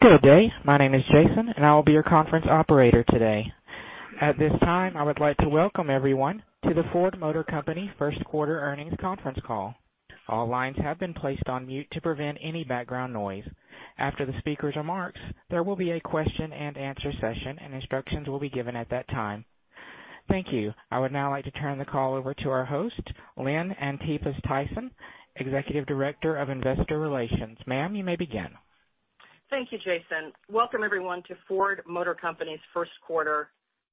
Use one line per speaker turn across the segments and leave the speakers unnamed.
Good day. My name is Jason, I will be your conference operator today. At this time, I would like to welcome everyone to the Ford Motor Company first quarter earnings conference call. All lines have been placed on mute to prevent any background noise. After the speaker's remarks, there will be a question and answer session, instructions will be given at that time. Thank you. I would now like to turn the call over to our host, Lynn Antipas Tyson, Executive Director of Investor Relations. Ma'am, you may begin.
Thank you, Jason. Welcome everyone to Ford Motor Company's first quarter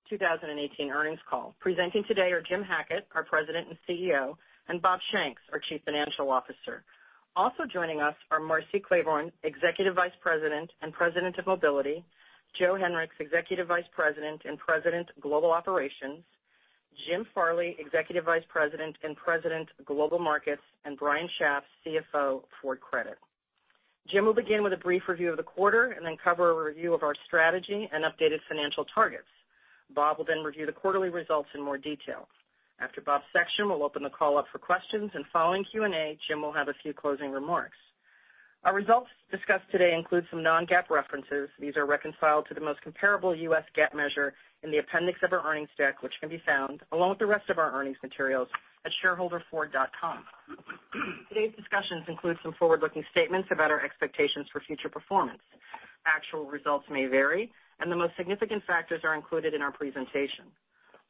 2018 earnings call. Presenting today are Jim Hackett, our President and CEO, Bob Shanks, our Chief Financial Officer. Also joining us are Marcy Klevorn, Executive Vice President and President of Mobility, Joe Hinrichs, Executive Vice President and President, Global Operations, Jim Farley, Executive Vice President and President, Global Markets, Brian Schaaf, CFO, Ford Credit. Jim will begin with a brief review of the quarter, then cover a review of our strategy and updated financial targets. Bob will then review the quarterly results in more detail. After Bob's section, we'll open the call up for questions, following Q&A, Jim will have a few closing remarks. Our results discussed today include some non-GAAP references. These are reconciled to the most comparable U.S. GAAP measure in the appendix of our earnings deck, which can be found along with the rest of our earnings materials at shareholderford.com. Today's discussions include some forward-looking statements about our expectations for future performance. Actual results may vary, the most significant factors are included in our presentation.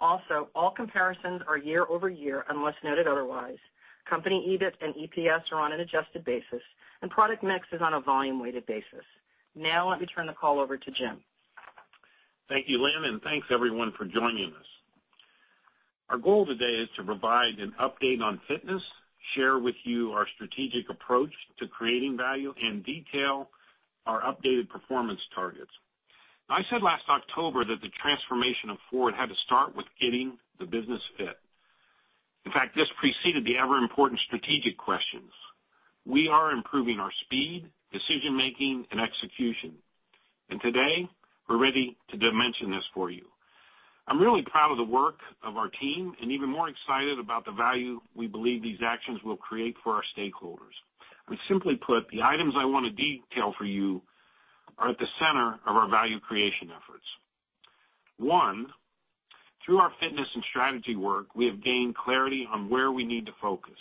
Also, all comparisons are year-over-year, unless noted otherwise. Company EBIT and EPS are on an adjusted basis, product mix is on a volume-weighted basis. Now let me turn the call over to Jim.
Thank you, Lynn, thanks, everyone, for joining us. Our goal today is to provide an update on fitness, share with you our strategic approach to creating value, detail our updated performance targets. I said last October that the transformation of Ford had to start with getting the business fit. In fact, this preceded the ever-important strategic questions. We are improving our speed, decision-making, and execution. Today, we're ready to dimension this for you. I'm really proud of the work of our team, even more excited about the value we believe these actions will create for our stakeholders. Simply put, the items I want to detail for you are at the center of our value creation efforts. One, through our fitness and strategy work, we have gained clarity on where we need to focus.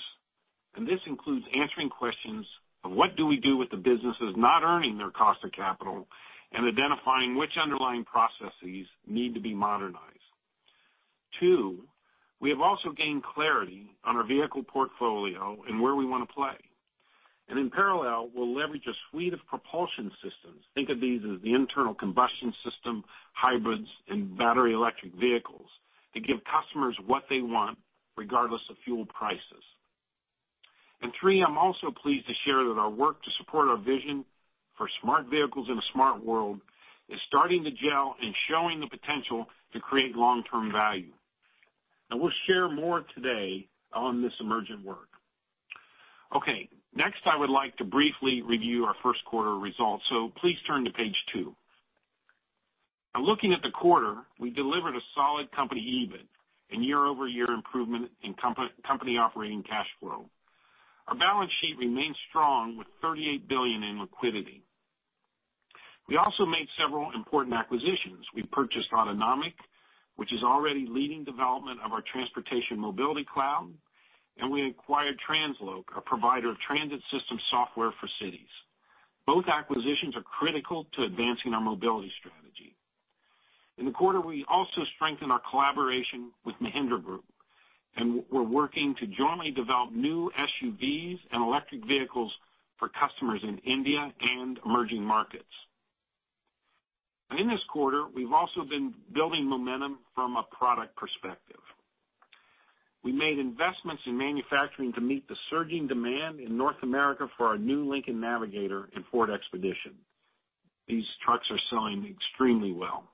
This includes answering questions of what do we do with the businesses not earning their cost of capital and identifying which underlying processes need to be modernized. Two, we have also gained clarity on our vehicle portfolio and where we want to play. In parallel, we'll leverage a suite of propulsion systems, think of these as the internal combustion system, hybrids, and battery electric vehicles, to give customers what they want regardless of fuel prices. Three, I'm also pleased to share that our work to support our vision for smart vehicles in a smart world is starting to gel and showing the potential to create long-term value. We'll share more today on this emergent work. Okay. Next, I would like to briefly review our first quarter results. Please turn to page two. Now looking at the quarter, we delivered a solid company EBIT and year-over-year improvement in company operating cash flow. Our balance sheet remains strong with $38 billion in liquidity. We also made several important acquisitions. We purchased Autonomic, which is already leading development of our transportation mobility cloud, and we acquired TransLoc, a provider of transit system software for cities. Both acquisitions are critical to advancing our mobility strategy. In the quarter, we also strengthened our collaboration with Mahindra Group, and we're working to jointly develop new SUVs and electric vehicles for customers in India and emerging markets. In this quarter, we've also been building momentum from a product perspective. We made investments in manufacturing to meet the surging demand in North America for our new Lincoln Navigator and Ford Expedition. These trucks are selling extremely well.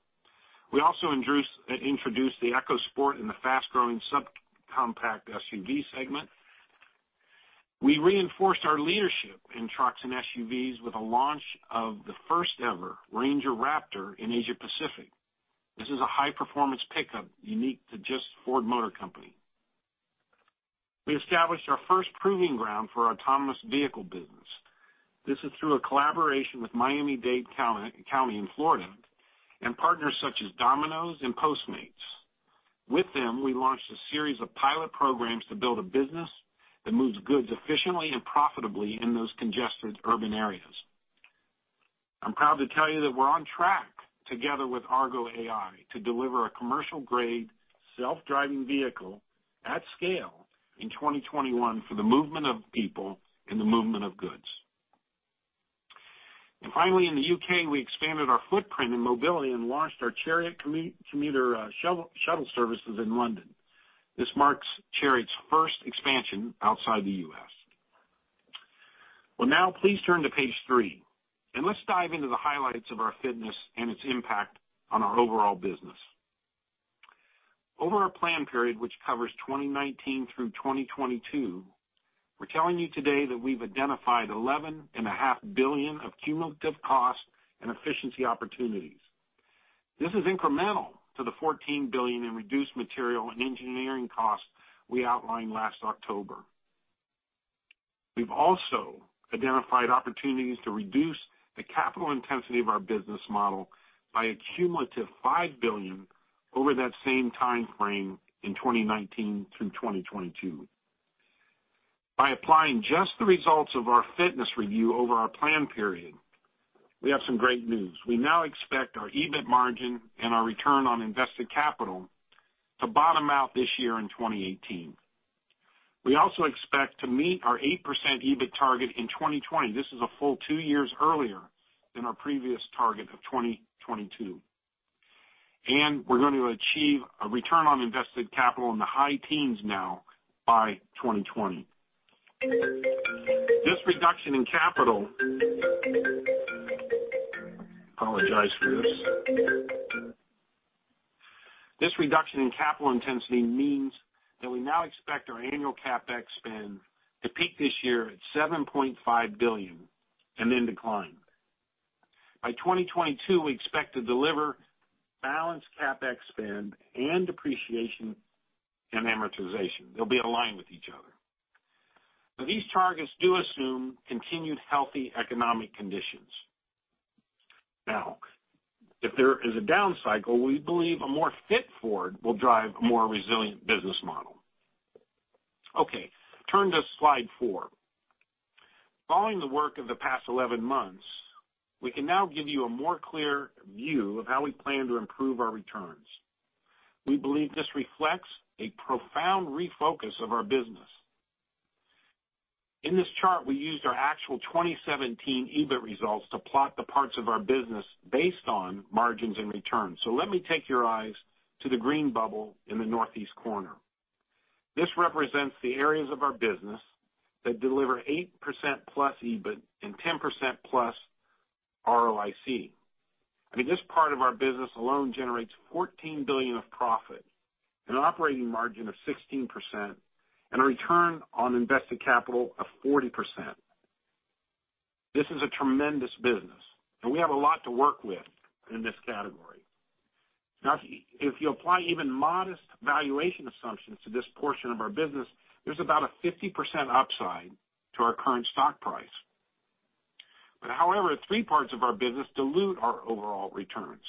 We also introduced the EcoSport in the fast-growing subcompact SUV segment. We reinforced our leadership in trucks and SUVs with a launch of the first ever Ranger Raptor in Asia-Pacific. This is a high-performance pickup unique to just Ford Motor Company. We established our first proving ground for our autonomous vehicle business. This is through a collaboration with Miami-Dade County in Florida and partners such as Domino's and Postmates. With them, we launched a series of pilot programs to build a business that moves goods efficiently and profitably in those congested urban areas. I'm proud to tell you that we're on track together with Argo AI to deliver a commercial-grade self-driving vehicle at scale in 2021 for the movement of people and the movement of goods. Finally, in the U.K., we expanded our footprint in mobility and launched our Chariot commuter shuttle services in London. This marks Chariot's first expansion outside the U.S. Now please turn to page three, let's dive into the highlights of our fitness and its impact on our overall business. Over our plan period, which covers 2019 through 2022, we're telling you today that we've identified $11.5 billion of cumulative cost and efficiency opportunities. This is incremental to the $14 billion in reduced material and engineering costs we outlined last October. We've also identified opportunities to reduce the capital intensity of our business model by a cumulative $5 billion over that same timeframe in 2019 through 2022. By applying just the results of our fitness review over our plan period, we have some great news. We now expect our EBIT margin and our return on invested capital to bottom out this year in 2018. We also expect to meet our 8% EBIT target in 2020. This is a full two years earlier than our previous target of 2022. We're going to achieve a return on invested capital in the high teens now by 2020. I apologize for this. This reduction in capital intensity means that we now expect our annual CapEx spend to peak this year at $7.5 billion and then decline. By 2022, we expect to deliver balanced CapEx spend and depreciation and amortization. They'll be aligned with each other. These targets do assume continued healthy economic conditions. If there is a down cycle, we believe a more fit Ford will drive a more resilient business model. Turn to slide four. Following the work of the past 11 months, we can now give you a more clear view of how we plan to improve our returns. We believe this reflects a profound refocus of our business. In this chart, we used our actual 2017 EBIT results to plot the parts of our business based on margins and returns. So let me take your eyes to the green bubble in the northeast corner. This represents the areas of our business that deliver 8% plus EBIT and 10% plus ROIC. I mean, this part of our business alone generates $14 billion of profit, an operating margin of 16%, and a return on invested capital of 40%. This is a tremendous business, and we have a lot to work with in this category. If you apply even modest valuation assumptions to this portion of our business, there's about a 50% upside to our current stock price. However, three parts of our business dilute our overall returns.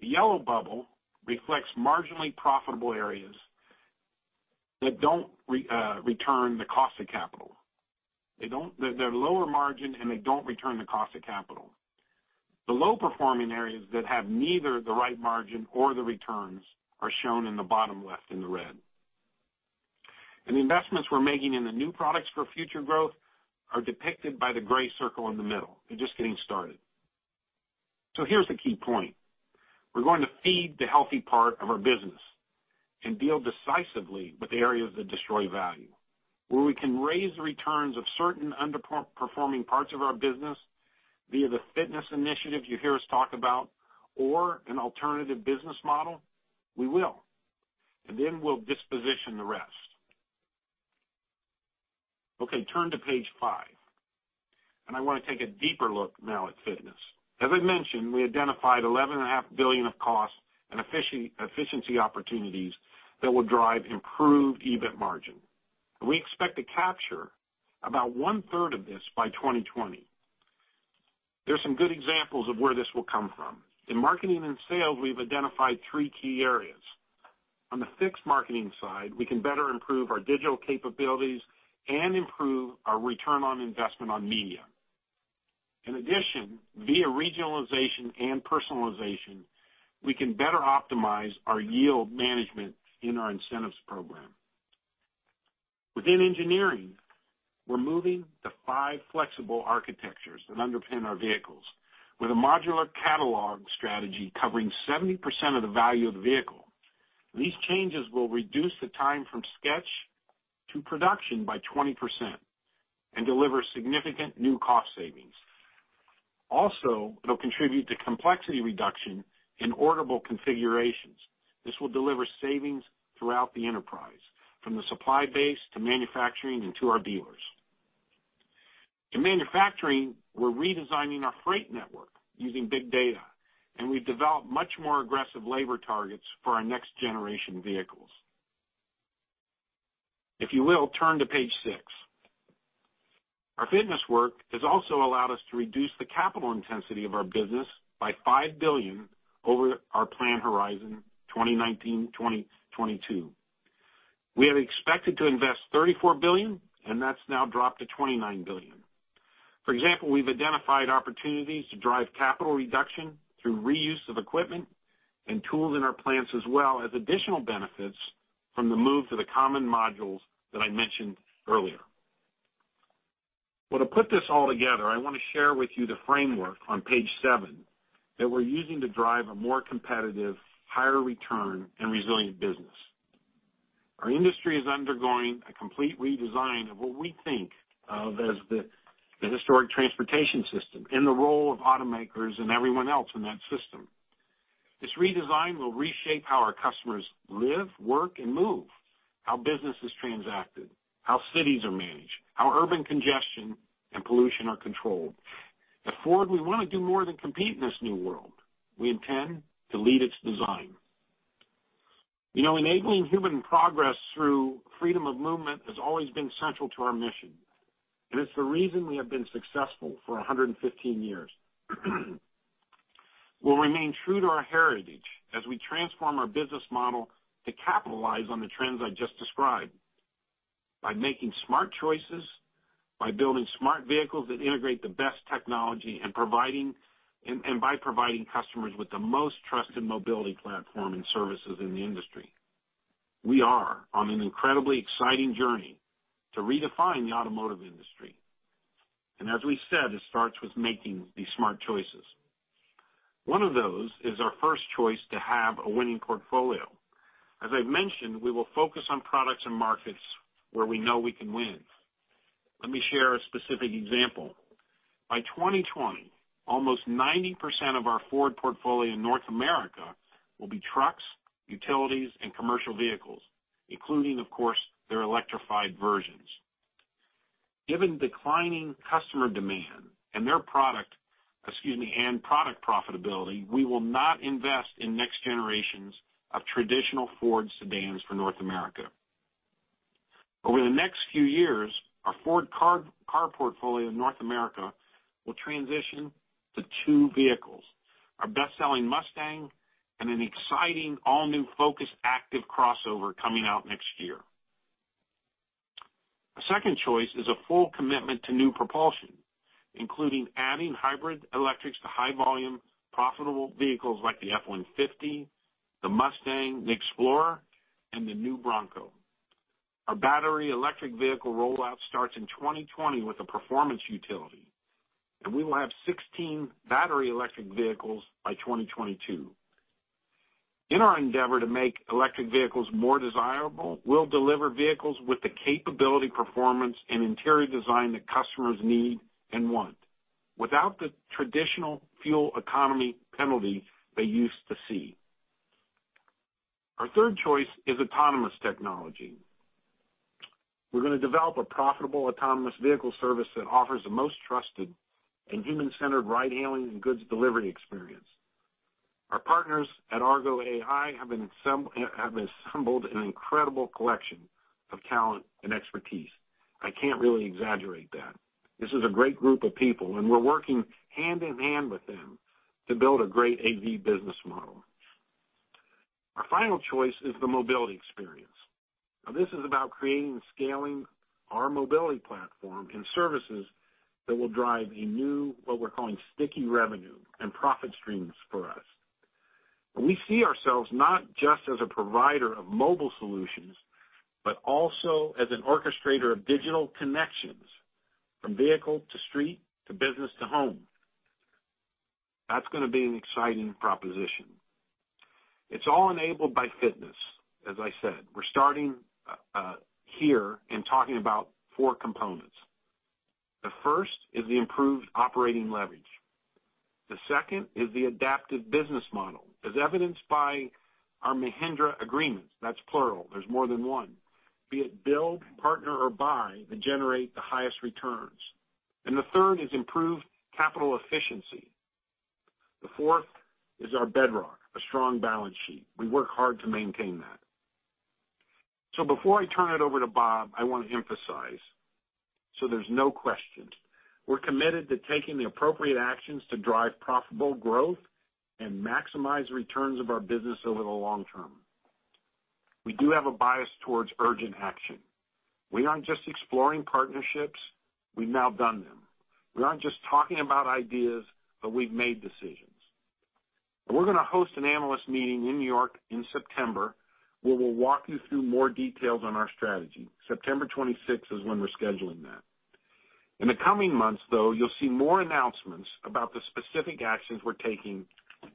The yellow bubble reflects marginally profitable areas that don't return the cost of capital. They're lower margin, and they don't return the cost of capital. The low-performing areas that have neither the right margin or the returns are shown in the bottom left in the red. The investments we're making in the new products for future growth are depicted by the gray circle in the middle. They're just getting started. Here's the key point. We're going to feed the healthy part of our business and deal decisively with the areas that destroy value. Where we can raise the returns of certain underperforming parts of our business via the fitness initiatives you hear us talk about or an alternative business model, we will, and then we'll disposition the rest. Turn to page five. I want to take a deeper look now at fitness. As I mentioned, we identified $11.5 billion of costs and efficiency opportunities that will drive improved EBIT margin. We expect to capture about one-third of this by 2020. There's some good examples of where this will come from. In marketing and sales, we've identified three key areas. On the fixed marketing side, we can better improve our digital capabilities and improve our return on investment on media. In addition, via regionalization and personalization, we can better optimize our yield management in our incentives program. Within engineering, we're moving to five flexible architectures that underpin our vehicles with a modular catalog strategy covering 70% of the value of the vehicle. These changes will reduce the time from sketch to production by 20% and deliver significant new cost savings. It'll contribute to complexity reduction in orderable configurations. This will deliver savings throughout the enterprise, from the supply base to manufacturing and to our dealers. In manufacturing, we're redesigning our freight network using big data, and we've developed much more aggressive labor targets for our next-generation vehicles. If you will, turn to page six. Our fitness work has also allowed us to reduce the capital intensity of our business by $5 billion over our plan horizon 2019-2022. We had expected to invest $34 billion, and that's now dropped to $29 billion. For example, we've identified opportunities to drive capital reduction through reuse of equipment and tools in our plants, as well as additional benefits from the move to the common modules that I mentioned earlier. Well, to put this all together, I want to share with you the framework on page seven that we're using to drive a more competitive, higher return, and resilient business. Our industry is undergoing a complete redesign of what we think of as the historic transportation system and the role of automakers and everyone else in that system. This redesign will reshape how our customers live, work, and move, how business is transacted, how cities are managed, how urban congestion and pollution are controlled. At Ford, we want to do more than compete in this new world. We intend to lead its design. Enabling human progress through freedom of movement has always been central to our mission, and it's the reason we have been successful for 115 years. We'll remain true to our heritage as we transform our business model to capitalize on the trends I just described. By making smart choices, by building smart vehicles that integrate the best technology, and by providing customers with the most trusted mobility platform and services in the industry. We are on an incredibly exciting journey to redefine the automotive industry. As we said, it starts with making these smart choices. One of those is our first choice to have a winning portfolio. As I've mentioned, we will focus on products and markets where we know we can win. Let me share a specific example. By 2020, almost 90% of our Ford portfolio in North America will be trucks, utilities, and commercial vehicles, including, of course, their electrified versions. Given declining customer demand and product profitability, we will not invest in next generations of traditional Ford sedans for North America. Over the next few years, our Ford car portfolio in North America will transition to two vehicles, our best-selling Mustang and an exciting all-new Focus Active crossover coming out next year. A second choice is a full commitment to new propulsion, including adding hybrid electrics to high volume, profitable vehicles like the F-150, the Mustang, the Explorer, and the new Bronco. Our battery electric vehicle rollout starts in 2020 with a performance utility, and we will have 16 battery electric vehicles by 2022. In our endeavor to make electric vehicles more desirable, we'll deliver vehicles with the capability, performance, and interior design that customers need and want without the traditional fuel economy penalty they used to see. Our third choice is autonomous technology. We're going to develop a profitable autonomous vehicle service that offers the most trusted and human-centered ride hailing and goods delivery experience. Our partners at Argo AI have assembled an incredible collection of talent and expertise. I can't really exaggerate that. This is a great group of people, and we're working hand-in-hand with them to build a great AV business model. Our final choice is the mobility experience. This is about creating and scaling our mobility platform and services that will drive a new, what we're calling sticky revenue and profit streams for us. We see ourselves not just as a provider of mobile solutions, but also as an orchestrator of digital connections from vehicle to street, to business to home. That's going to be an exciting proposition. It's all enabled by fitness, as I said. We're starting here in talking about four components. The first is the improved operating leverage. The second is the adaptive business model, as evidenced by our Mahindra agreements. That's plural. There's more than one. Be it build, partner, or buy that generate the highest returns. The third is improved capital efficiency. The fourth is our bedrock, a strong balance sheet. We work hard to maintain that. Before I turn it over to Bob, I want to emphasize, there's no question, we're committed to taking the appropriate actions to drive profitable growth and maximize returns of our business over the long term. We do have a bias towards urgent action. We aren't just exploring partnerships. We've now done them. We aren't just talking about ideas, but we've made decisions. We're going to host an analyst meeting in New York in September, where we'll walk you through more details on our strategy. September 26th is when we're scheduling that. In the coming months, though, you'll see more announcements about the specific actions we're taking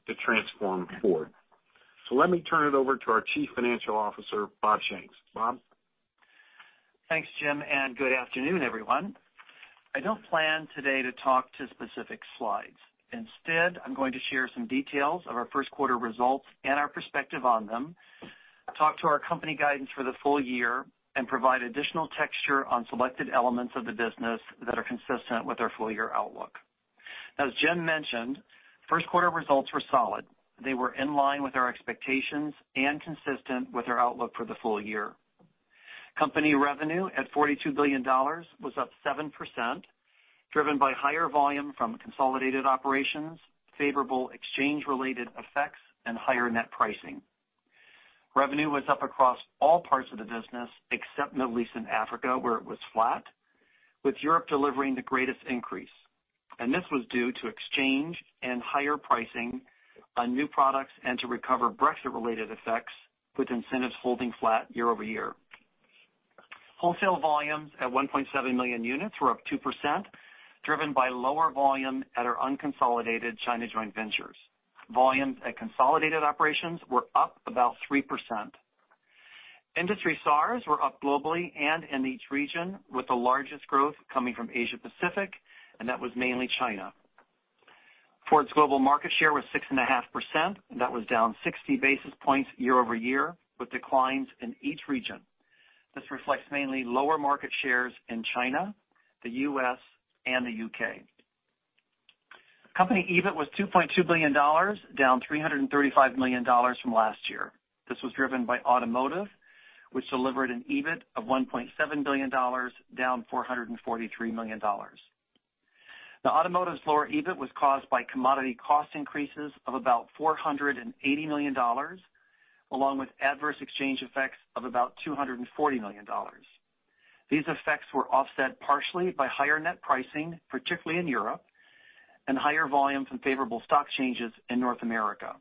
to transform Ford. Let me turn it over to our Chief Financial Officer, Bob Shanks. Bob?
Thanks, Jim, and good afternoon, everyone. I don't plan today to talk to specific slides. Instead, I'm going to share some details of our first quarter results and our perspective on them, talk to our company guidance for the full year, and provide additional texture on selected elements of the business that are consistent with our full-year outlook. As Jim mentioned, first quarter results were solid. They were in line with our expectations and consistent with our outlook for the full year. Company revenue at $42 billion was up 7%, driven by higher volume from consolidated operations, favorable exchange related effects, and higher net pricing. Revenue was up across all parts of the business, except Middle East and Africa, where it was flat, with Europe delivering the greatest increase. This was due to exchange and higher pricing on new products and to recover Brexit-related effects, with incentives holding flat year-over-year. Wholesale volumes at 1.7 million units were up 2%, driven by lower volume at our unconsolidated China joint ventures. Volumes at consolidated operations were up about 3%. Industry SAARs were up globally and in each region, with the largest growth coming from Asia Pacific, and that was mainly China. Ford's global market share was 6.5%, and that was down 60 basis points year-over-year, with declines in each region. This reflects mainly lower market shares in China, the U.S., and the U.K. Company EBIT was $2.2 billion, down $335 million from last year. This was driven by automotive, which delivered an EBIT of $1.7 billion, down $443 million. Automotive's lower EBIT was caused by commodity cost increases of about $480 million, along with adverse exchange effects of about $240 million. These effects were offset partially by higher net pricing, particularly in Europe, and higher volumes and favorable stock changes in North America.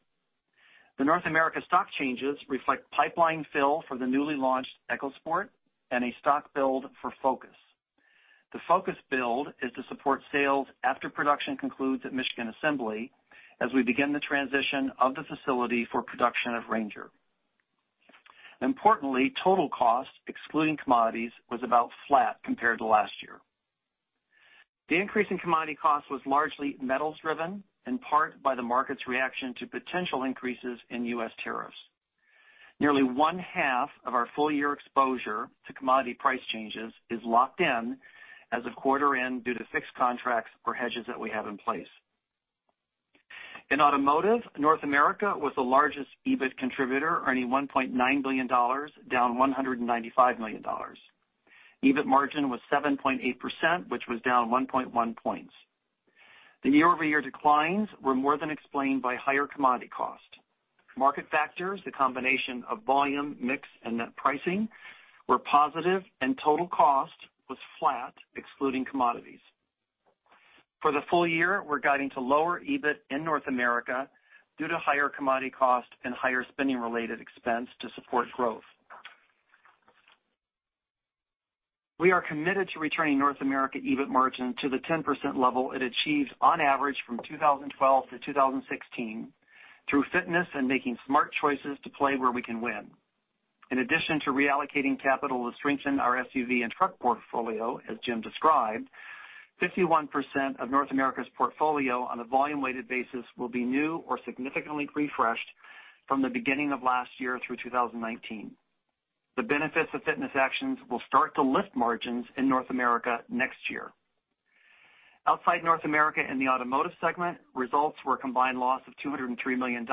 The North America stock changes reflect pipeline fill for the newly launched EcoSport and a stock build for Focus. The Focus build is to support sales after production concludes at Michigan Assembly as we begin the transition of the facility for production of Ranger. Importantly, total cost, excluding commodities, was about flat compared to last year. The increase in commodity cost was largely metals-driven, in part by the market's reaction to potential increases in U.S. tariffs. Nearly one-half of our full-year exposure to commodity price changes is locked in as of quarter end due to fixed contracts or hedges that we have in place. In automotive, North America was the largest EBIT contributor, earning $1.9 billion, down $195 million. EBIT margin was 7.8%, which was down 1.1 points. The year-over-year declines were more than explained by higher commodity cost. Market factors, the combination of volume, mix, and net pricing were positive and total cost was flat, excluding commodities. For the full year, we're guiding to lower EBIT in North America due to higher commodity cost and higher spending-related expense to support growth. We are committed to returning North America EBIT margin to the 10% level it achieved on average from 2012 to 2016 through fitness and making smart choices to play where we can win. In addition to reallocating capital to strengthen our SUV and truck portfolio, as Jim described, 51% of North America's portfolio on a volume-weighted basis will be new or significantly refreshed from the beginning of last year through 2019. The benefits of fitness actions will start to lift margins in North America next year. Outside North America in the automotive segment, results were a combined loss of $203 million,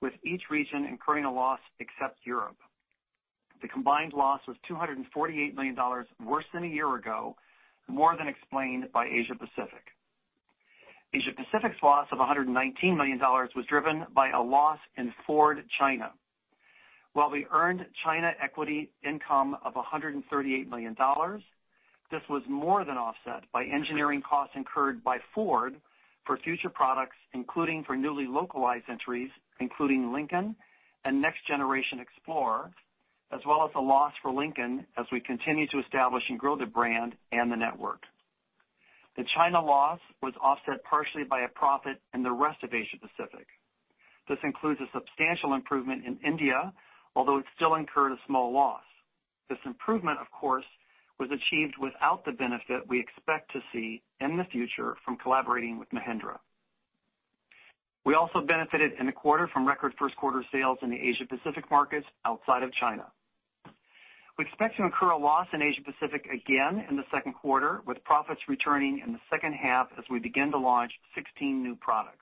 with each region incurring a loss except Europe. The combined loss was $248 million worse than a year ago, more than explained by Asia Pacific. Asia Pacific's loss of $119 million was driven by a loss in Ford China. While we earned China equity income of $138 million, this was more than offset by engineering costs incurred by Ford for future products, including for newly localized entries, including Lincoln and next-generation Explorer, as well as a loss for Lincoln as we continue to establish and grow the brand and the network. The China loss was offset partially by a profit in the rest of Asia Pacific. This includes a substantial improvement in India, although it still incurred a small loss. This improvement, of course, was achieved without the benefit we expect to see in the future from collaborating with Mahindra. We also benefited in the quarter from record first-quarter sales in the Asia Pacific markets outside of China. We expect to incur a loss in Asia Pacific again in the second quarter, with profits returning in the second half as we begin to launch 16 new products.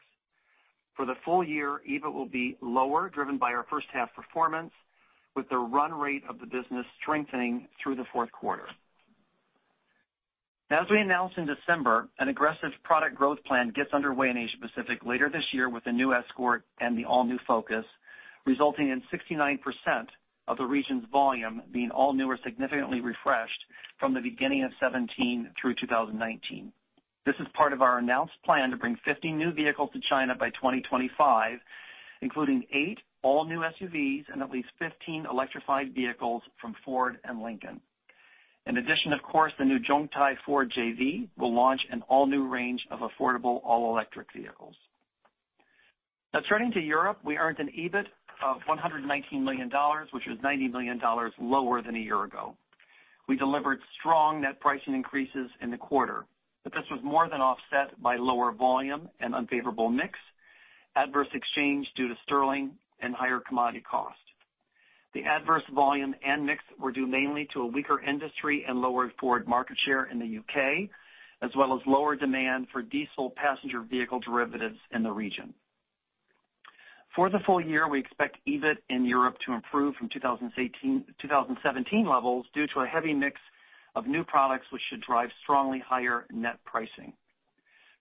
For the full year, EBIT will be lower, driven by our first half performance, with the run rate of the business strengthening through the fourth quarter. As we announced in December, an aggressive product growth plan gets underway in Asia Pacific later this year with the new Escort and the all-new Focus, resulting in 69% of the region's volume being all new or significantly refreshed from the beginning of 2017 through 2019. This is part of our announced plan to bring 50 new vehicles to China by 2025, including eight all new SUVs and at least 15 electrified vehicles from Ford and Lincoln. In addition, of course, the new Zotye Ford JV will launch an all-new range of affordable all-electric vehicles. Turning to Europe, we earned an EBIT of $119 million, which was $90 million lower than a year ago. We delivered strong net pricing increases in the quarter, this was more than offset by lower volume and unfavorable mix, adverse exchange due to sterling, and higher commodity cost. The adverse volume and mix were due mainly to a weaker industry and lower Ford market share in the U.K., as well as lower demand for diesel passenger vehicle derivatives in the region. For the full year, we expect EBIT in Europe to improve from 2017 levels due to a heavy mix of new products, which should drive strongly higher net pricing.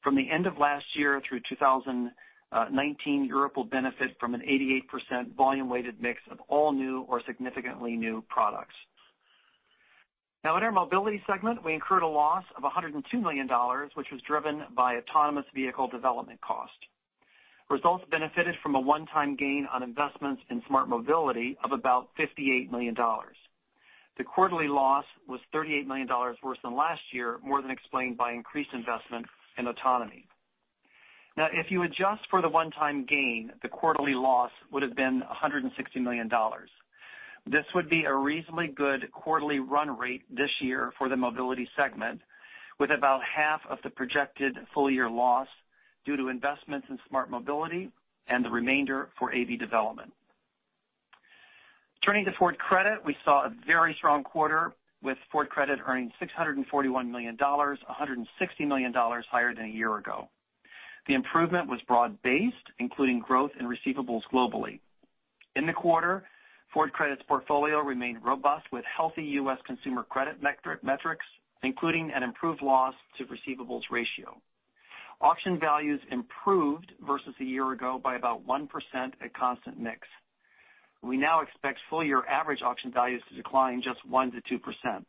From the end of last year through 2019, Europe will benefit from an 88% volume-weighted mix of all new or significantly new products. In our mobility segment, we incurred a loss of $102 million, which was driven by autonomous vehicle development cost. Results benefited from a one-time gain on investments in smart mobility of about $58 million. The quarterly loss was $38 million worse than last year, more than explained by increased investment in autonomy. If you adjust for the one-time gain, the quarterly loss would've been $160 million. This would be a reasonably good quarterly run rate this year for the mobility segment, with about half of the projected full-year loss due to investments in smart mobility and the remainder for AV development. Turning to Ford Credit, we saw a very strong quarter with Ford Credit earning $641 million, $160 million higher than a year ago. The improvement was broad-based, including growth in receivables globally. In the quarter, Ford Credit's portfolio remained robust with healthy U.S. consumer credit metrics, including an improved loss to receivables ratio. Auction values improved versus a year ago by about 1% at constant mix. We now expect full-year average auction values to decline just 1%-2%.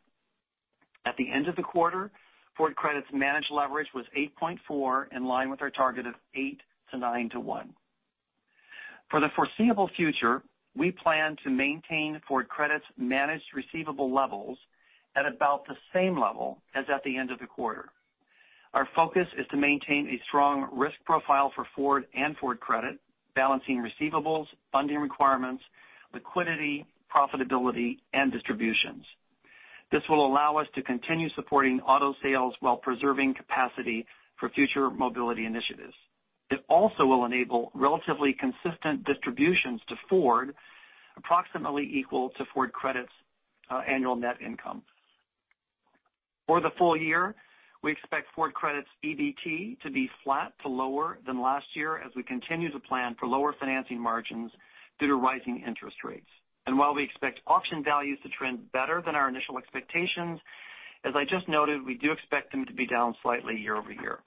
At the end of the quarter, Ford Credit's managed leverage was 8.4, in line with our target of 8 to 9 to 1. For the foreseeable future, we plan to maintain Ford Credit's managed receivable levels at about the same level as at the end of the quarter. Our focus is to maintain a strong risk profile for Ford and Ford Credit, balancing receivables, funding requirements, liquidity, profitability, and distributions. This will allow us to continue supporting auto sales while preserving capacity for future mobility initiatives. It also will enable relatively consistent distributions to Ford, approximately equal to Ford Credit's annual net income. For the full year, we expect Ford Credit's EBT to be flat to lower than last year as we continue to plan for lower financing margins due to rising interest rates. While we expect auction values to trend better than our initial expectations, as I just noted, we do expect them to be down slightly year-over-year.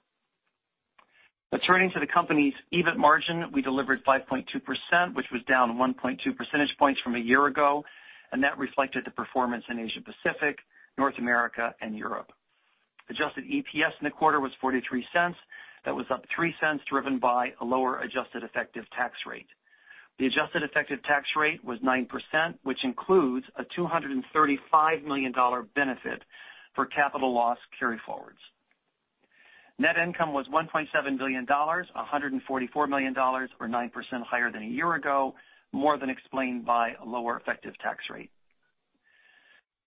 Turning to the company's EBIT margin, we delivered 5.2%, which was down 1.2 percentage points from a year ago, and that reflected the performance in Asia Pacific, North America, and Europe. Adjusted EPS in the quarter was $0.43. That was up $0.03, driven by a lower adjusted effective tax rate. The adjusted effective tax rate was 9%, which includes a $235 million benefit for capital loss carryforwards. Net income was $1.7 billion, $144 million or 9% higher than a year ago, more than explained by a lower effective tax rate.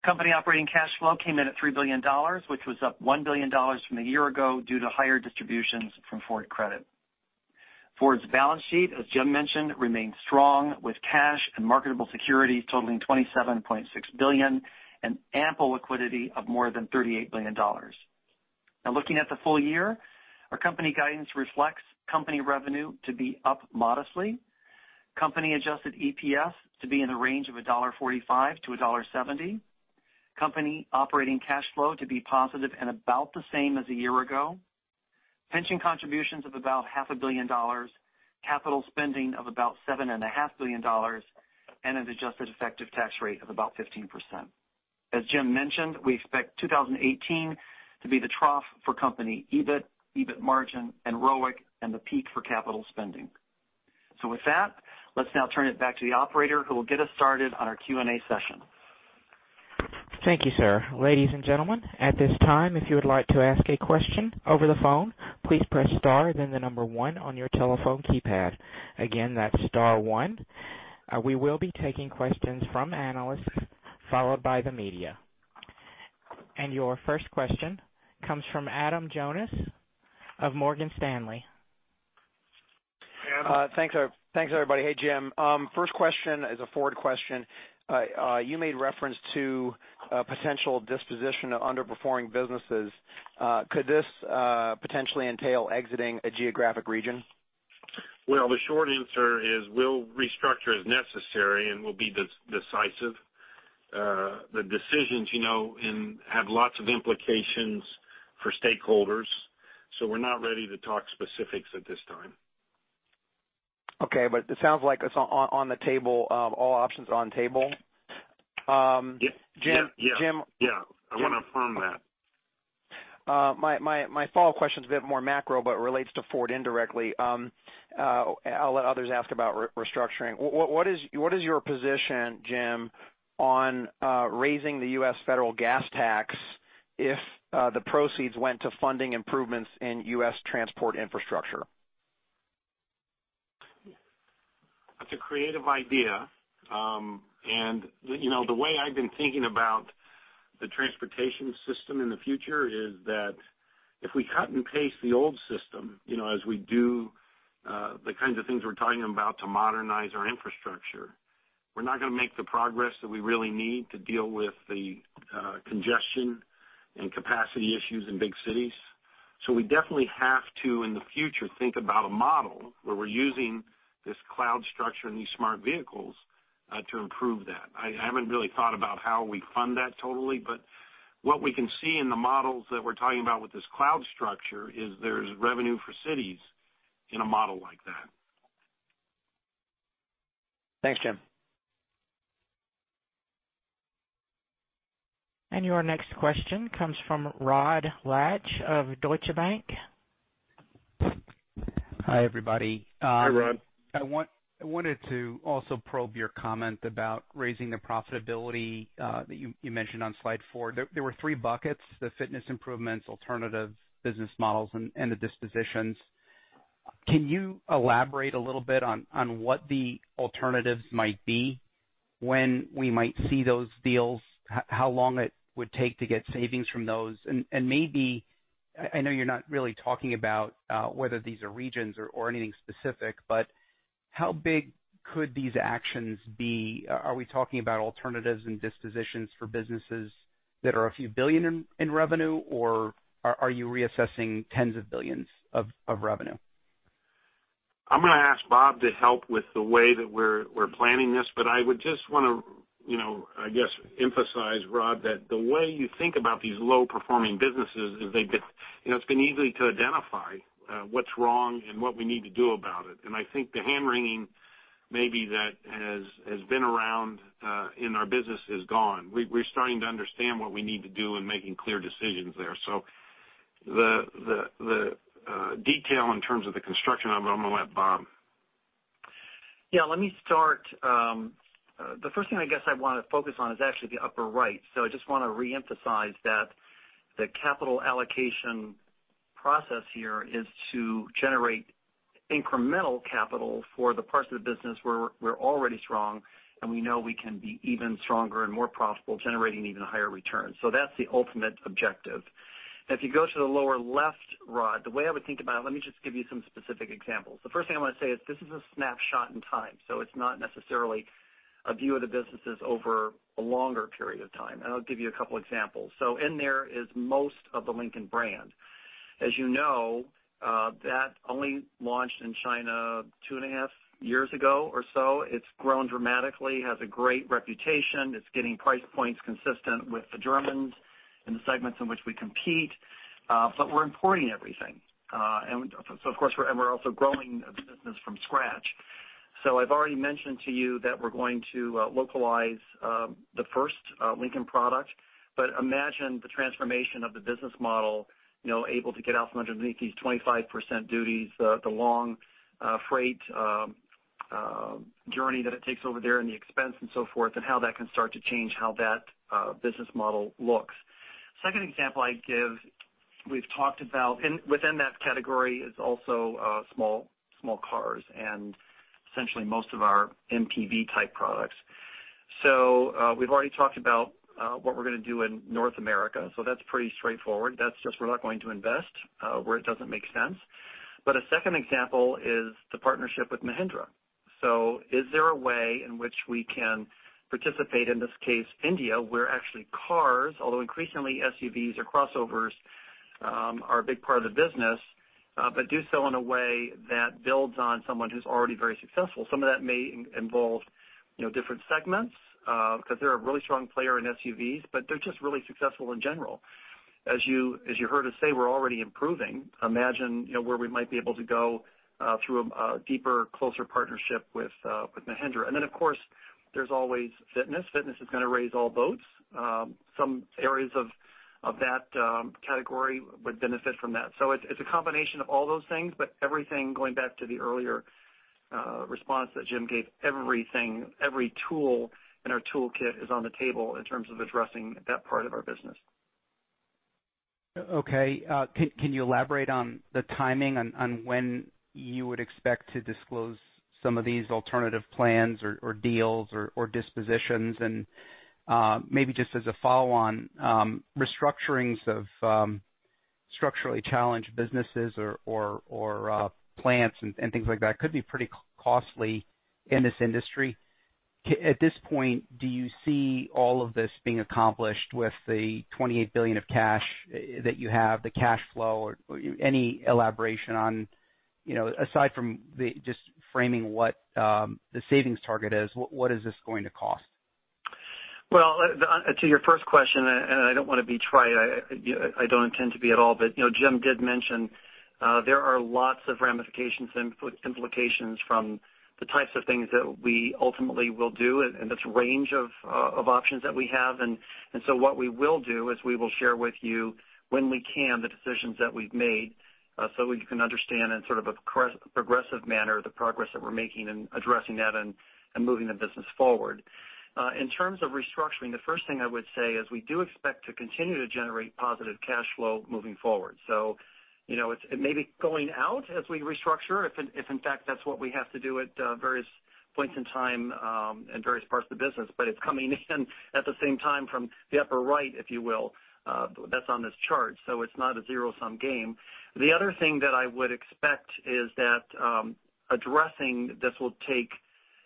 Company operating cash flow came in at $3 billion, which was up $1 billion from a year ago due to higher distributions from Ford Credit. Ford's balance sheet, as Jim mentioned, remains strong with cash and marketable securities totaling $27.6 billion and ample liquidity of more than $38 billion. Looking at the full year, our company guidance reflects company revenue to be up modestly, company adjusted EPS to be in the range of $1.45-$1.70, company operating cash flow to be positive and about the same as a year ago, pension contributions of about half a billion dollars, capital spending of about $7.5 billion, and an adjusted effective tax rate of about 15%. As Jim mentioned, we expect 2018 to be the trough for company EBIT margin, and ROIC, and the peak for capital spending. With that, let's now turn it back to the operator who will get us started on our Q&A session.
Thank you, sir. Ladies and gentlemen, at this time, if you would like to ask a question over the phone, please press star then the number 1 on your telephone keypad. Again, that's star 1. We will be taking questions from analysts followed by the media. Your first question comes from Adam Jonas of Morgan Stanley.
Thanks, everybody. Hey, Jim. First question is a Ford question. You made reference to a potential disposition of underperforming businesses. Could this potentially entail exiting a geographic region?
The short answer is we'll restructure as necessary, and we'll be decisive. The decisions have lots of implications for stakeholders, so we're not ready to talk specifics at this time.
Okay. It sounds like it's on the table, all options are on table.
Yeah.
Jim-
Yeah.
Jim.
I want to affirm that.
My follow-up question is a bit more macro, but relates to Ford indirectly. I'll let others ask about restructuring. What is your position, Jim, on raising the U.S. federal gas tax if the proceeds went to funding improvements in U.S. transport infrastructure?
That's a creative idea. The way I've been thinking about the transportation system in the future is that if we cut and paste the old system as we do the kinds of things we're talking about to modernize our infrastructure, we're not going to make the progress that we really need to deal with the congestion and capacity issues in big cities. We definitely have to, in the future, think about a model where we're using this cloud structure and these smart vehicles to improve that. I haven't really thought about how we fund that totally, but what we can see in the models that we're talking about with this cloud structure is there's revenue for cities in a model like that.
Thanks, Jim.
Your next question comes from Rod Lache of Deutsche Bank.
Hi, everybody.
Hi, Rod.
I wanted to also probe your comment about raising the profitability that you mentioned on slide four. There were three buckets, the fitness improvements, alternative business models, and the dispositions. Can you elaborate a little bit on what the alternatives might be, when we might see those deals, how long it would take to get savings from those? Maybe, I know you're not really talking about whether these are regions or anything specific, but how big could these actions be? Are we talking about alternatives and dispositions for businesses that are a few billion in revenue, or are you reassessing tens of billions of revenue?
I'm going to ask Bob to help with the way that we're planning this, I would just want to, I guess, emphasize, Rod, that the way you think about these low-performing businesses is it's been easy to identify what's wrong and what we need to do about it. I think the hand-wringing maybe that has been around in our business is gone. We're starting to understand what we need to do and making clear decisions there. The detail in terms of the construction of it, I'm going to let Bob.
Yeah, let me start. The first thing I guess I want to focus on is actually the upper right. I just want to reemphasize that the capital allocation process here is to generate incremental capital for the parts of the business where we're already strong and we know we can be even stronger and more profitable, generating even higher returns. That's the ultimate objective. If you go to the lower left, Rod, the way I would think about it, let me just give you some specific examples. The first thing I want to say is this is a snapshot in time, so it's not necessarily a view of the businesses over a longer period of time. I'll give you a couple examples. In there is most of the Lincoln brand. As you know, that only launched in China two and a half years ago or so. It's grown dramatically, has a great reputation. It's getting price points consistent with the Germans in the segments in which we compete. We're importing everything. Of course, we're also growing a business from scratch. I've already mentioned to you that we're going to localize the first Lincoln product. Imagine the transformation of the business model, able to get out from underneath these 25% duties, the long freight journey that it takes over there and the expense and so forth, and how that can start to change how that business model looks. Second example I'd give, we've talked about, and within that category is also small cars and essentially most of our MPV type products. We've already talked about what we're going to do in North America, that's pretty straightforward. That's just we're not going to invest where it doesn't make sense. A second example is the partnership with Mahindra. Is there a way in which we can participate, in this case, India, where actually cars, although increasingly SUVs or crossovers are a big part of the business, but do so in a way that builds on someone who's already very successful. Some of that may involve different segments, because they're a really strong player in SUVs, but they're just really successful in general. As you heard us say, we're already improving. Imagine where we might be able to go through a deeper, closer partnership with Mahindra. Of course, there's always fitness. Fitness is going to raise all boats. Some areas of that category would benefit from that. It's a combination of all those things, everything, going back to the earlier response that Jim gave, everything, every tool in our toolkit is on the table in terms of addressing that part of our business.
Okay. Can you elaborate on the timing on when you would expect to disclose some of these alternative plans or deals or dispositions? Maybe just as a follow on, restructurings of structurally challenged businesses or plants and things like that could be pretty costly in this industry. At this point, do you see all of this being accomplished with the $28 billion of cash that you have, the cash flow, or any elaboration on, aside from just framing what the savings target is, what is this going to cost?
Well, to your first question, and I don't want to be trite, I don't intend to be at all, but Jim did mention there are lots of ramifications and implications from the types of things that we ultimately will do and this range of options that we have. What we will do is we will share with you when we can the decisions that we've made so you can understand in sort of a progressive manner the progress that we're making in addressing that and moving the business forward. In terms of restructuring, the first thing I would say is we do expect to continue to generate positive cash flow moving forward. It may be going out as we restructure if in fact that's what we have to do at various points in time and various parts of the business. It's coming in at the same time from the upper right, if you will, that's on this chart. It's not a zero-sum game. The other thing that I would expect is that addressing this will take.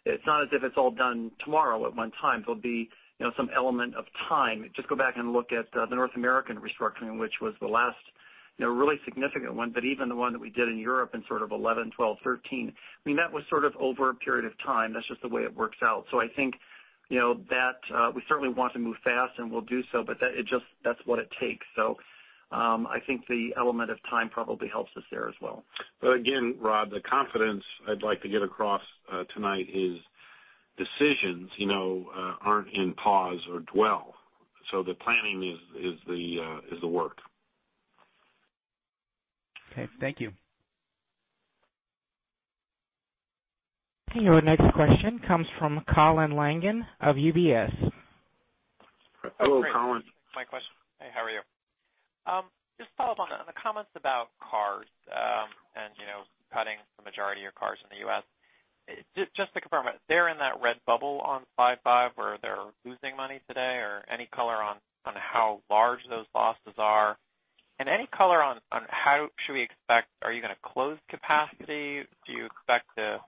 It's not as if it's all done tomorrow at one time. There'll be some element of time. Just go back and look at the North American restructuring, which was the last really significant one. Even the one that we did in Europe in sort of 2011, 2012, 2013, I mean, that was sort of over a period of time. That's just the way it works out. I think that we certainly want to move fast and we'll do so, but that's what it takes. I think the element of time probably helps us there as well.
Again, Rod, the confidence I'd like to get across tonight is decisions aren't in pause or dwell. The planning is the work.
Okay. Thank you.
Your next question comes from Colin Langan of UBS.
Hello, Colin.
Great. Thanks for my question. Hey, how are you? Just follow up on the comments about cars and cutting the majority of cars in the U.S. Just to confirm, they're in that red bubble on five-five where they're losing money today? Or any color on how large those losses are? Are you going to close capacity? Do you expect to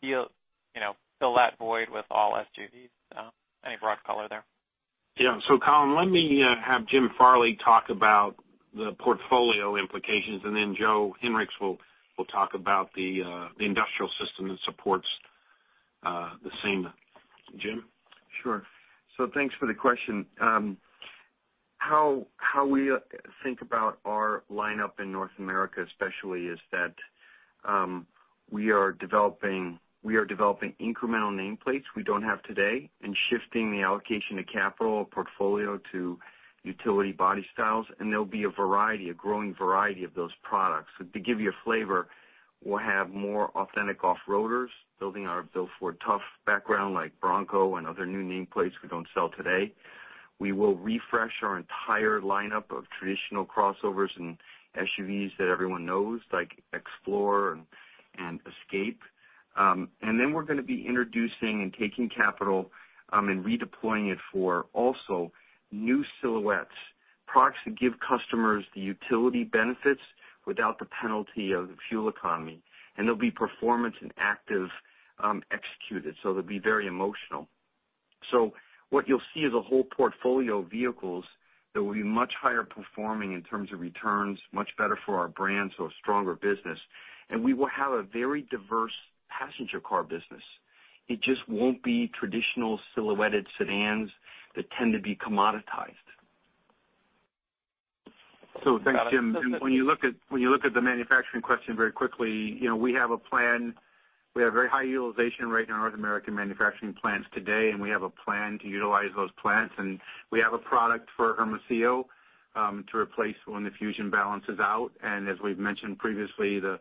fill that void with all SUVs? Any broad color there?
Colin, let me have Jim Farley talk about the portfolio implications, and then Joe Hinrichs will talk about the industrial system that supports the same. Jim?
Sure. Thanks for the question. How we think about our lineup in North America especially is that we are developing incremental nameplates we don't have today and shifting the allocation of capital portfolio to utility body styles, and there'll be a variety, a growing variety of those products. To give you a flavor, we'll have more authentic off-roaders building our Built Ford Tough background like Bronco and other new nameplates we don't sell today. We will refresh our entire lineup of traditional crossovers and SUVs that everyone knows, like Explorer and Escape. We're going to be introducing and taking capital and redeploying it for also new silhouettes, products that give customers the utility benefits without the penalty of fuel economy. There'll be performance and active executed, so they'll be very emotional. What you'll see is a whole portfolio of vehicles that will be much higher performing in terms of returns, much better for our brand, so a stronger business. We will have a very diverse passenger car business. It just won't be traditional silhouetted sedans that tend to be commoditized.
Thanks, Jim. When you look at the manufacturing question very quickly, we have a plan. We have very high utilization right now in North American manufacturing plants today, and we have a plan to utilize those plants, and we have a product for Hermosillo to replace when the Fusion balances out. As we've mentioned previously, the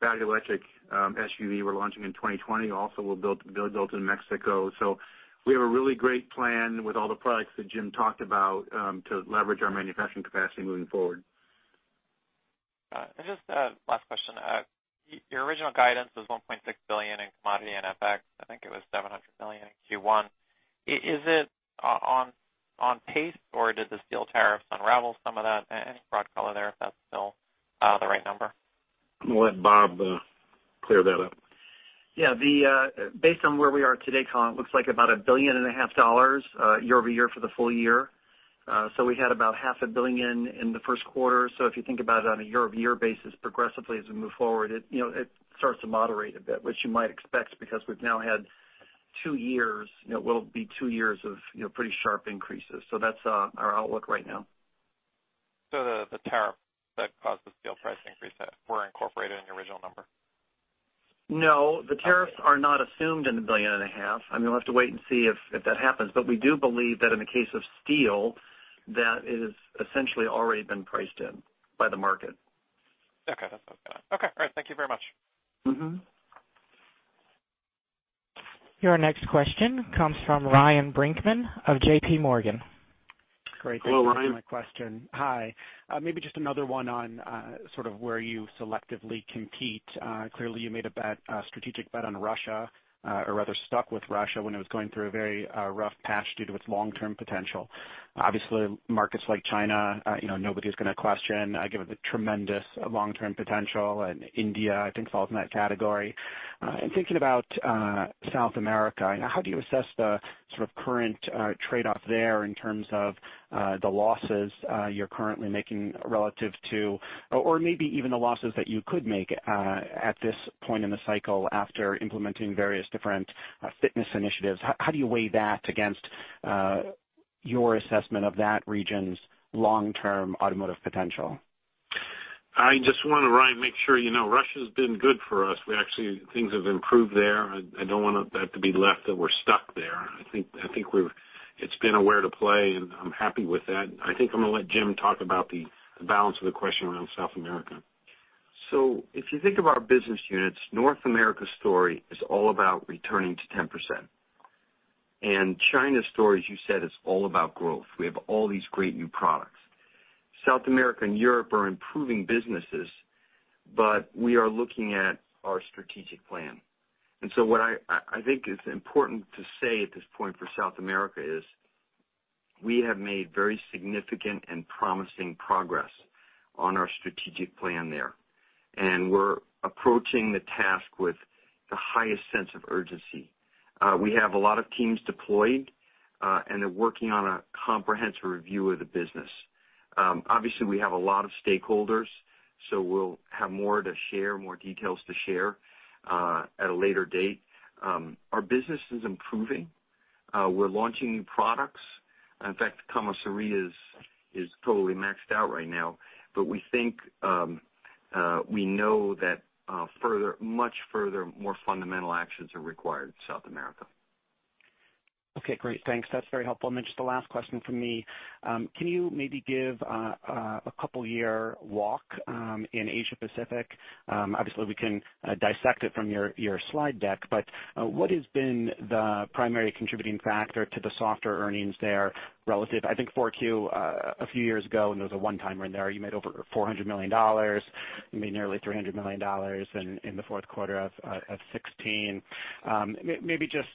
battery electric SUV we're launching in 2020 also will be built in Mexico. We have a really great plan with all the products that Jim talked about to leverage our manufacturing capacity moving forward.
Just a last question. Your original guidance was $1.6 billion in commodity and FX. I think it was $700 million in Q1. Is it on pace, or did the steel tariffs unravel some of that? Any broad color there if that's still the right number?
I'm going to let Bob clear that up.
Based on where we are today, Colin, it looks like about $1.5 billion year-over-year for the full year. We had about half a billion dollars in the first quarter. If you think about it on a year-over-year basis progressively as we move forward, it starts to moderate a bit, which you might expect because we've now had two years. It will be two years of pretty sharp increases. That's our outlook right now.
The tariff that caused the steel price increase were incorporated in your original number?
No, the tariffs are not assumed in the billion and a half. We'll have to wait and see if that happens. We do believe that in the case of steel, that it is essentially already been priced in by the market.
Okay. That's what I was getting at. Okay. All right. Thank you very much.
Your next question comes from Ryan Brinkman of J.P. Morgan.
Hello, Ryan.
Great. Thanks for taking my question. Hi. Maybe just another one on sort of where you selectively compete. Clearly, you made a strategic bet on Russia or rather stuck with Russia when it was going through a very rough patch due to its long-term potential. Obviously, markets like China, nobody's going to question given the tremendous long-term potential, and India, I think falls in that category. In thinking about South America, how do you assess the sort of current trade-off there in terms of the losses you're currently making relative to, or maybe even the losses that you could make at this point in the cycle after implementing various different fitness initiatives? How do you weigh that against your assessment of that region's long-term automotive potential?
I just want to, Ryan, make sure you know Russia's been good for us. Actually, things have improved there. I don't want that to be left that we're stuck there. I think it's been a where to play, and I'm happy with that. I think I'm going to let Jim talk about the balance of the question around South America.
If you think of our business units, North America's story is all about returning to 10%. China's story, as you said, is all about growth. We have all these great new products. South America and Europe are improving businesses, we are looking at our strategic plan. What I think is important to say at this point for South America is we have made very significant and promising progress on our strategic plan there. We're approaching the task with the highest sense of urgency. We have a lot of teams deployed, and they're working on a comprehensive review of the business. Obviously, we have a lot of stakeholders, so we'll have more to share, more details to share at a later date. Our business is improving. We're launching new products. In fact, Camaçari is totally maxed out right now. We think we know that much further, more fundamental actions are required in South America.
Okay, great. Thanks. That's very helpful. Just the last question from me, can you maybe give a couple year walk in Asia Pacific? Obviously, we can dissect it from your slide deck, but what has been the primary contributing factor to the softer earnings there relative, I think 4Q a few years ago, and there was a one-timer in there. You made over $400 million, you made nearly $300 million in the fourth quarter of 2016. Maybe just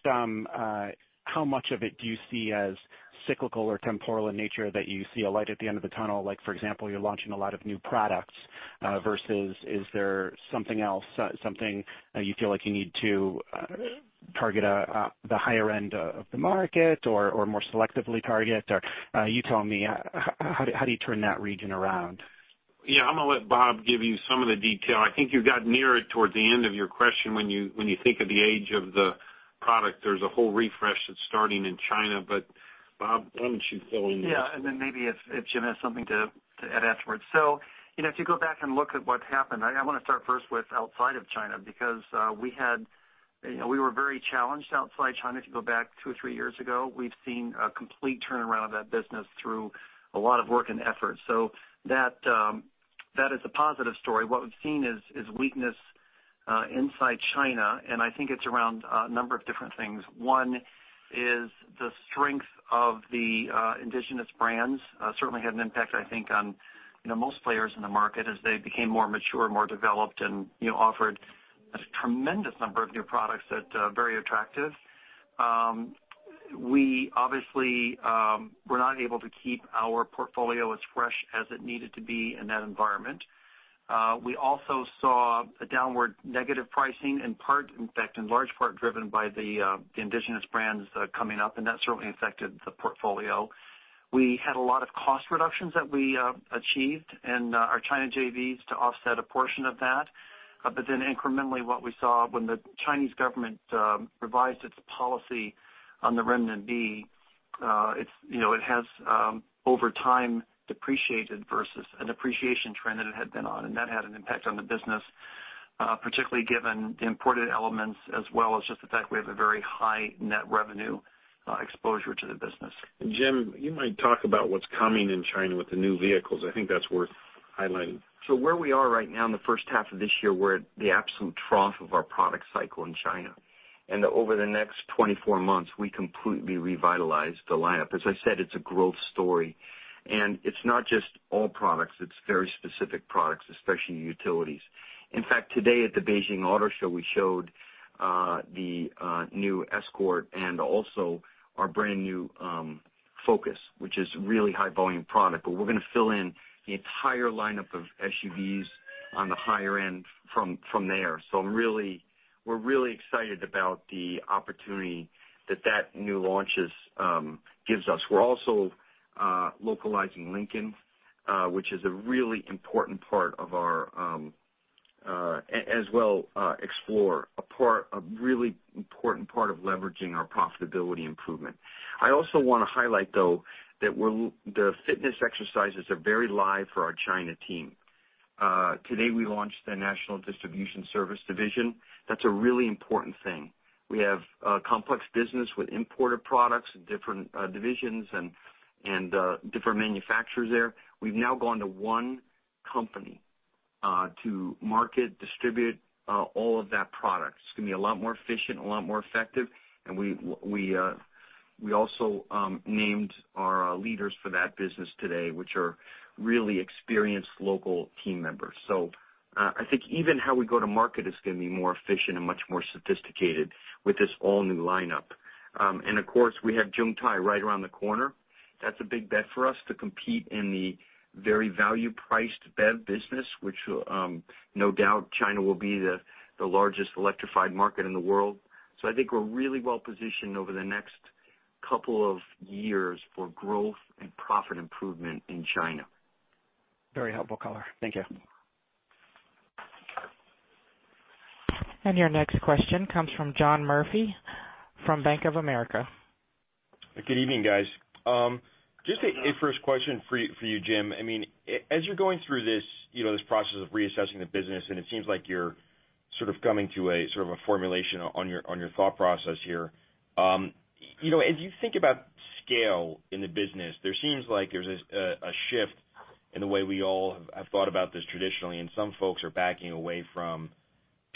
how much of it do you see as cyclical or temporal in nature that you see a light at the end of the tunnel? Like for example, you're launching a lot of new products, versus is there something else, something you feel like you need to target the higher end of the market or more selectively target? You tell me, how do you turn that region around?
Yeah, I'm going to let Bob give you some of the detail. I think you got nearer towards the end of your question when you think of the age of the product, there's a whole refresh that's starting in China. Bob, why don't you fill in there?
Yeah. Maybe if Jim has something to add afterwards. If you go back and look at what happened, I want to start first with outside of China, because we were very challenged outside China, if you go back two or three years ago. We've seen a complete turnaround of that business through a lot of work and effort. That is a positive story. What we've seen is weakness inside China, and I think it's around a number of different things. One is the strength of the indigenous brands certainly had an impact, I think, on most players in the market as they became more mature, more developed, and offered a tremendous number of new products that are very attractive. We obviously were not able to keep our portfolio as fresh as it needed to be in that environment. We also saw a downward negative pricing in part, in fact, in large part driven by the indigenous brands coming up, that certainly affected the portfolio. We had a lot of cost reductions that we achieved in our China JVs to offset a portion of that. Incrementally, what we saw when the Chinese government revised its policy on the renminbi, it has, over time, depreciated versus an appreciation trend that it had been on, that had an impact on the business, particularly given the imported elements, as well as just the fact we have a very high net revenue exposure to the business.
Jim, you might talk about what's coming in China with the new vehicles. I think that's worth highlighting.
Where we are right now in the first half of this year, we're at the absolute trough of our product cycle in China. Over the next 24 months, we completely revitalize the lineup. As I said, it's a growth story. It's not just all products, it's very specific products, especially utilities. In fact, today at the Beijing Auto Show, we showed the new Escort and also our brand-new Focus, which is a really high-volume product. We're gonna fill in the entire lineup of SUVs on the higher end from there. We're really excited about the opportunity that that new launches gives us. We're also localizing Lincoln, which is a really important part of our, as well Explorer, a really important part of leveraging our profitability improvement. I also wanna highlight, though, that the fitness exercises are very live for our China team. Today, we launched the National Distribution Services Division. That's a really important thing. We have a complex business with importer products and different divisions and different manufacturers there. We've now gone to one company to market, distribute all of that product. It's gonna be a lot more efficient, a lot more effective, and we also named our leaders for that business today, which are really experienced local team members. I think even how we go to market is gonna be more efficient and much more sophisticated with this all-new lineup. Of course, we have Zotye right around the corner. That's a big bet for us to compete in the very value-priced BEV business, which will, no doubt, China will be the largest electrified market in the world. I think we're really well-positioned over the next couple of years for growth and profit improvement in China.
Very helpful color. Thank you.
Your next question comes from John Murphy from Bank of America.
Good evening, guys. Just a first question for you, Jim. As you're going through this process of reassessing the business, and it seems like you're sort of coming to a formulation on your thought process here. As you think about scale in the business, there seems like there's a shift in the way we all have thought about this traditionally, and some folks are backing away from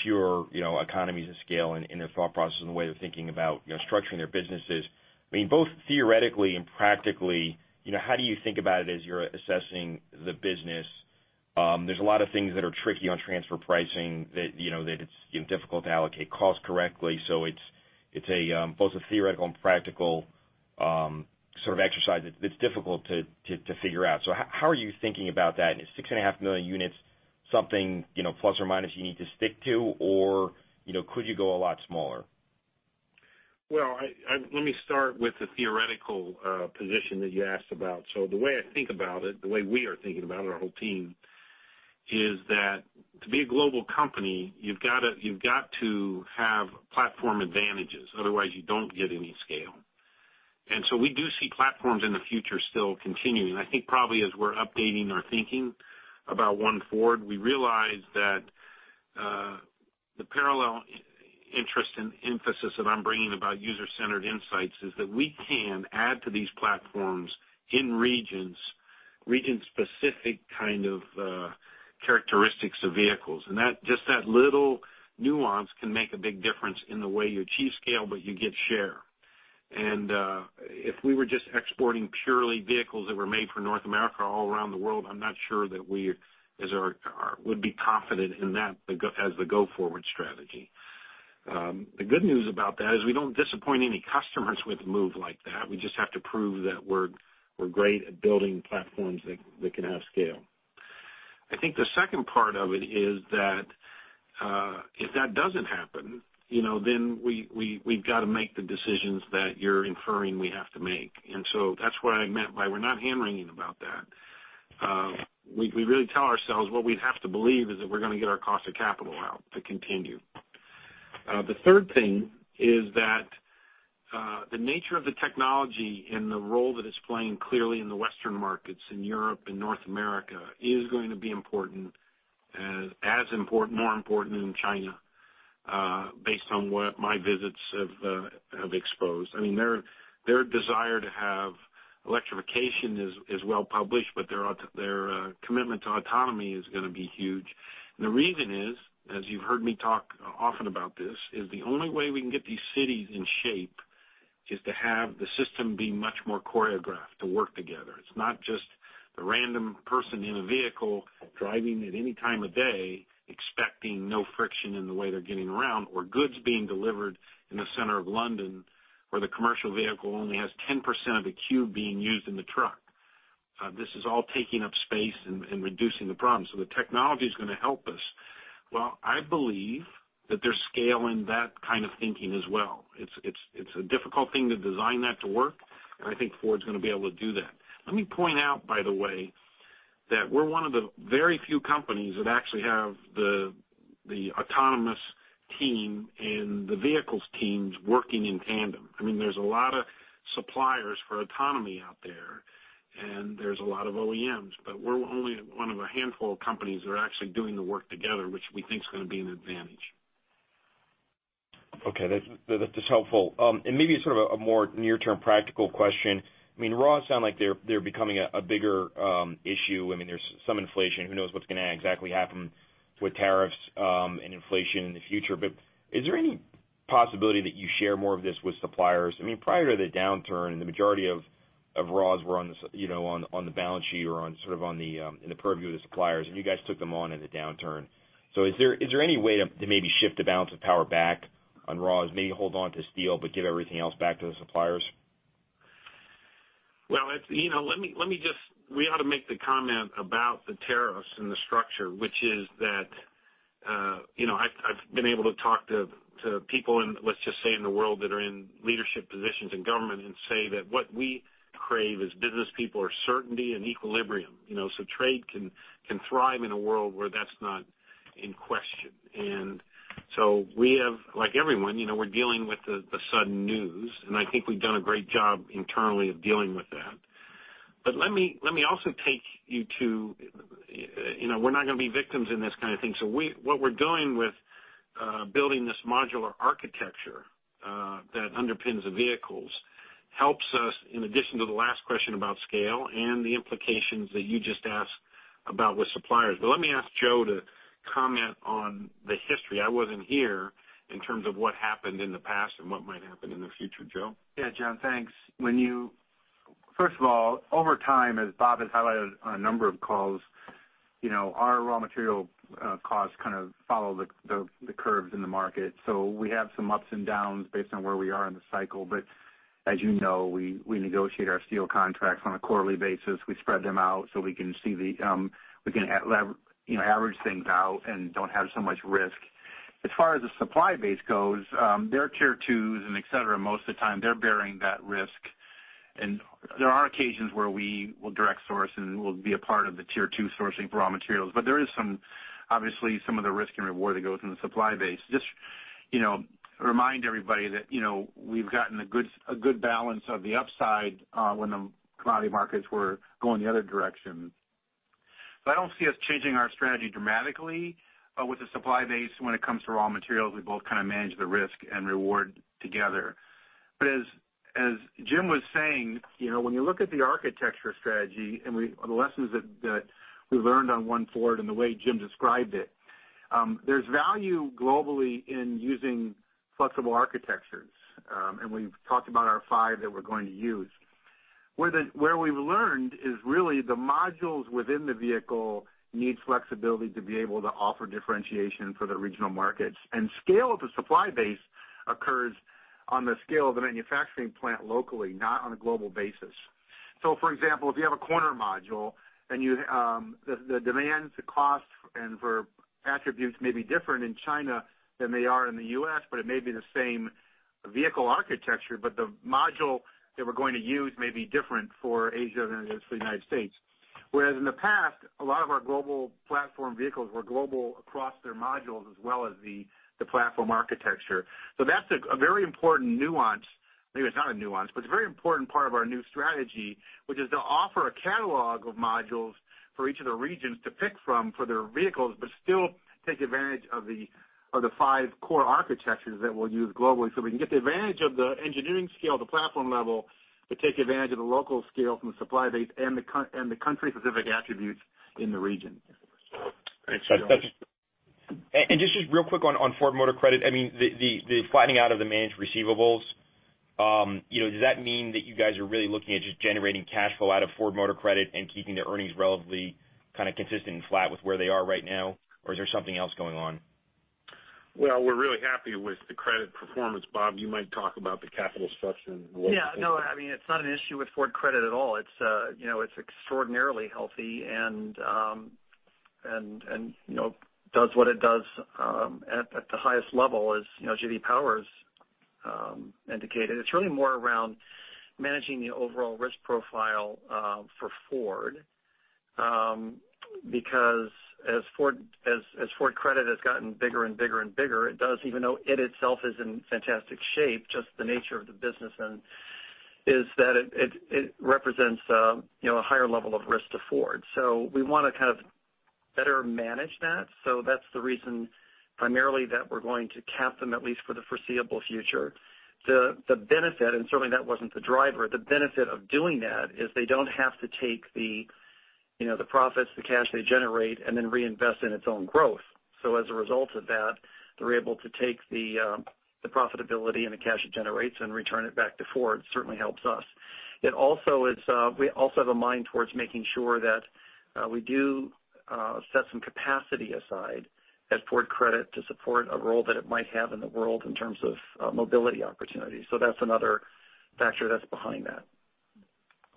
pure economies of scale in their thought process and the way they're thinking about structuring their businesses. Both theoretically and practically, how do you think about it as you're assessing the business? There's a lot of things that are tricky on transfer pricing that it's difficult to allocate costs correctly. It's both a theoretical and practical sort of exercise that's difficult to figure out. How are you thinking about that? Is 6.5 million units something ± you need to stick to, or could you go a lot smaller?
Well, let me start with the theoretical position that you asked about. The way I think about it, the way we are thinking about it, our whole team, is that to be a global company, you've got to have platform advantages, otherwise you don't get any scale. We do see platforms in the future still continuing. I think probably as we're updating our thinking about One Ford, we realize that the parallel interest and emphasis that I'm bringing about user-centered insights is that we can add to these platforms in regions, region-specific kind of characteristics of vehicles. Just that little nuance can make a big difference in the way you achieve scale, but you get share. If we were just exporting purely vehicles that were made for North America all around the world, I'm not sure that we would be confident in that as the go-forward strategy. The good news about that is we don't disappoint any customers with a move like that. We just have to prove that we're great at building platforms that can have scale. The second part of it is that if that doesn't happen, we've got to make the decisions that you're inferring we have to make. That's what I meant by we're not hand-wringing about that. We really tell ourselves what we'd have to believe is that we're going to get our cost of capital out to continue. The third thing is that the nature of the technology and the role that it's playing clearly in the Western markets, in Europe and North America, is going to be more important than China, based on what my visits have exposed. Their desire to have electrification is well-published, but their commitment to autonomy is going to be huge. The reason is, as you've heard me talk often about this, is the only way we can get these cities in shape is to have the system be much more choreographed to work together. It's not just the random person in a vehicle driving at any time of day, expecting no friction in the way they're getting around, or goods being delivered in the center of London, where the commercial vehicle only has 10% of the cube being used in the truck. This is all taking up space and reducing the problem. The technology's going to help us. I believe that they're scaling that kind of thinking as well. It's a difficult thing to design that to work, and I think Ford's going to be able to do that. Let me point out, by the way, that we're one of the very few companies that actually have the autonomous team and the vehicles teams working in tandem. There's a lot of suppliers for autonomy out there, and there's a lot of OEMs, but we're only one of a handful of companies that are actually doing the work together, which we think is going to be an advantage.
Okay. That's helpful. Maybe sort of a more near-term practical question. Raws sound like they're becoming a bigger issue. There's some inflation. Who knows what's going to exactly happen with tariffs and inflation in the future. Is there any possibility that you share more of this with suppliers? Prior to the downturn, the majority of raws were on the balance sheet or sort of in the purview of the suppliers, and you guys took them on in the downturn. Is there any way to maybe shift the balance of power back on raws? Maybe hold onto steel, but give everything else back to the suppliers?
Well, we ought to make the comment about the tariffs and the structure, which is that I've been able to talk to people in, let's just say, in the world that are in leadership positions in government and say that what we crave as business people are certainty and equilibrium. Trade can thrive in a world where that's not in question. We have, like everyone, we're dealing with the sudden news, and I think we've done a great job internally of dealing with that. Let me also take you to. We're not going to be victims in this kind of thing. What we're doing with building this modular architecture that underpins the vehicles helps us, in addition to the last question about scale and the implications that you just asked about with suppliers. Let me ask Joe to comment on the history. I wasn't here in terms of what happened in the past and what might happen in the future. Joe?
Yeah, John, thanks. First of all, over time, as Bob has highlighted on a number of calls, our raw material costs kind of follow the curves in the market. We have some ups and downs based on where we are in the cycle. As you know, we negotiate our steel contracts on a quarterly basis. We spread them out so we can average things out and don't have so much risk. As far as the supply base goes, their Tier 2s and et cetera, most of the time, they're bearing that risk. There are occasions where we will direct source and we'll be a part of the Tier 2 sourcing for raw materials. There is obviously some of the risk and reward that goes in the supply base. Just remind everybody that we've gotten a good balance of the upside when the commodity markets were going the other direction. I don't see us changing our strategy dramatically with the supply base when it comes to raw materials. We both kind of manage the risk and reward together. As Jim was saying, when you look at the architecture strategy and the lessons that we learned on One Ford and the way Jim described it, there's value globally in using flexible architectures. We've talked about our five that we're going to use. Where we've learned is really the modules within the vehicle need flexibility to be able to offer differentiation for the regional markets. Scale of the supply base occurs on the scale of the manufacturing plant locally, not on a global basis. For example, if you have a corner module and the demands, the costs, and for attributes may be different in China than they are in the U.S., it may be the same vehicle architecture, the module that we're going to use may be different for Asia than it is for the United States. In the past, a lot of our global platform vehicles were global across their modules as well as the platform architecture. That's a very important nuance
Maybe it's not a nuance, it's a very important part of our new strategy, which is to offer a catalog of modules for each of the regions to pick from for their vehicles, still take advantage of the five core architectures that we'll use globally. We can get the advantage of the engineering scale at the platform level, take advantage of the local scale from the supply base and the country-specific attributes in the region.
Great.
Just real quick on Ford Motor Credit, the flattening out of the managed receivables, does that mean that you guys are really looking at just generating cash flow out of Ford Motor Credit and keeping their earnings relatively consistent and flat with where they are right now? Is there something else going on?
We're really happy with the credit performance. Bob, you might talk about the capital structure and the local-
No, it's not an issue with Ford Credit at all. It's extraordinarily healthy and does what it does at the highest level, as Jim Farley's indicated. It's really more around managing the overall risk profile for Ford. As Ford Credit has gotten bigger and bigger and bigger, even though it itself is in fantastic shape, just the nature of the business is that it represents a higher level of risk to Ford. We want to better manage that. That's the reason primarily that we're going to cap them, at least for the foreseeable future. The benefit, and certainly that wasn't the driver, the benefit of doing that is they don't have to take the profits, the cash they generate, and then reinvest in its own growth. As a result of that, they're able to take the profitability and the cash it generates and return it back to Ford. Certainly helps us. We also have a mind towards making sure that we do set some capacity aside at Ford Credit to support a role that it might have in the world in terms of mobility opportunities. That's another factor that's behind that.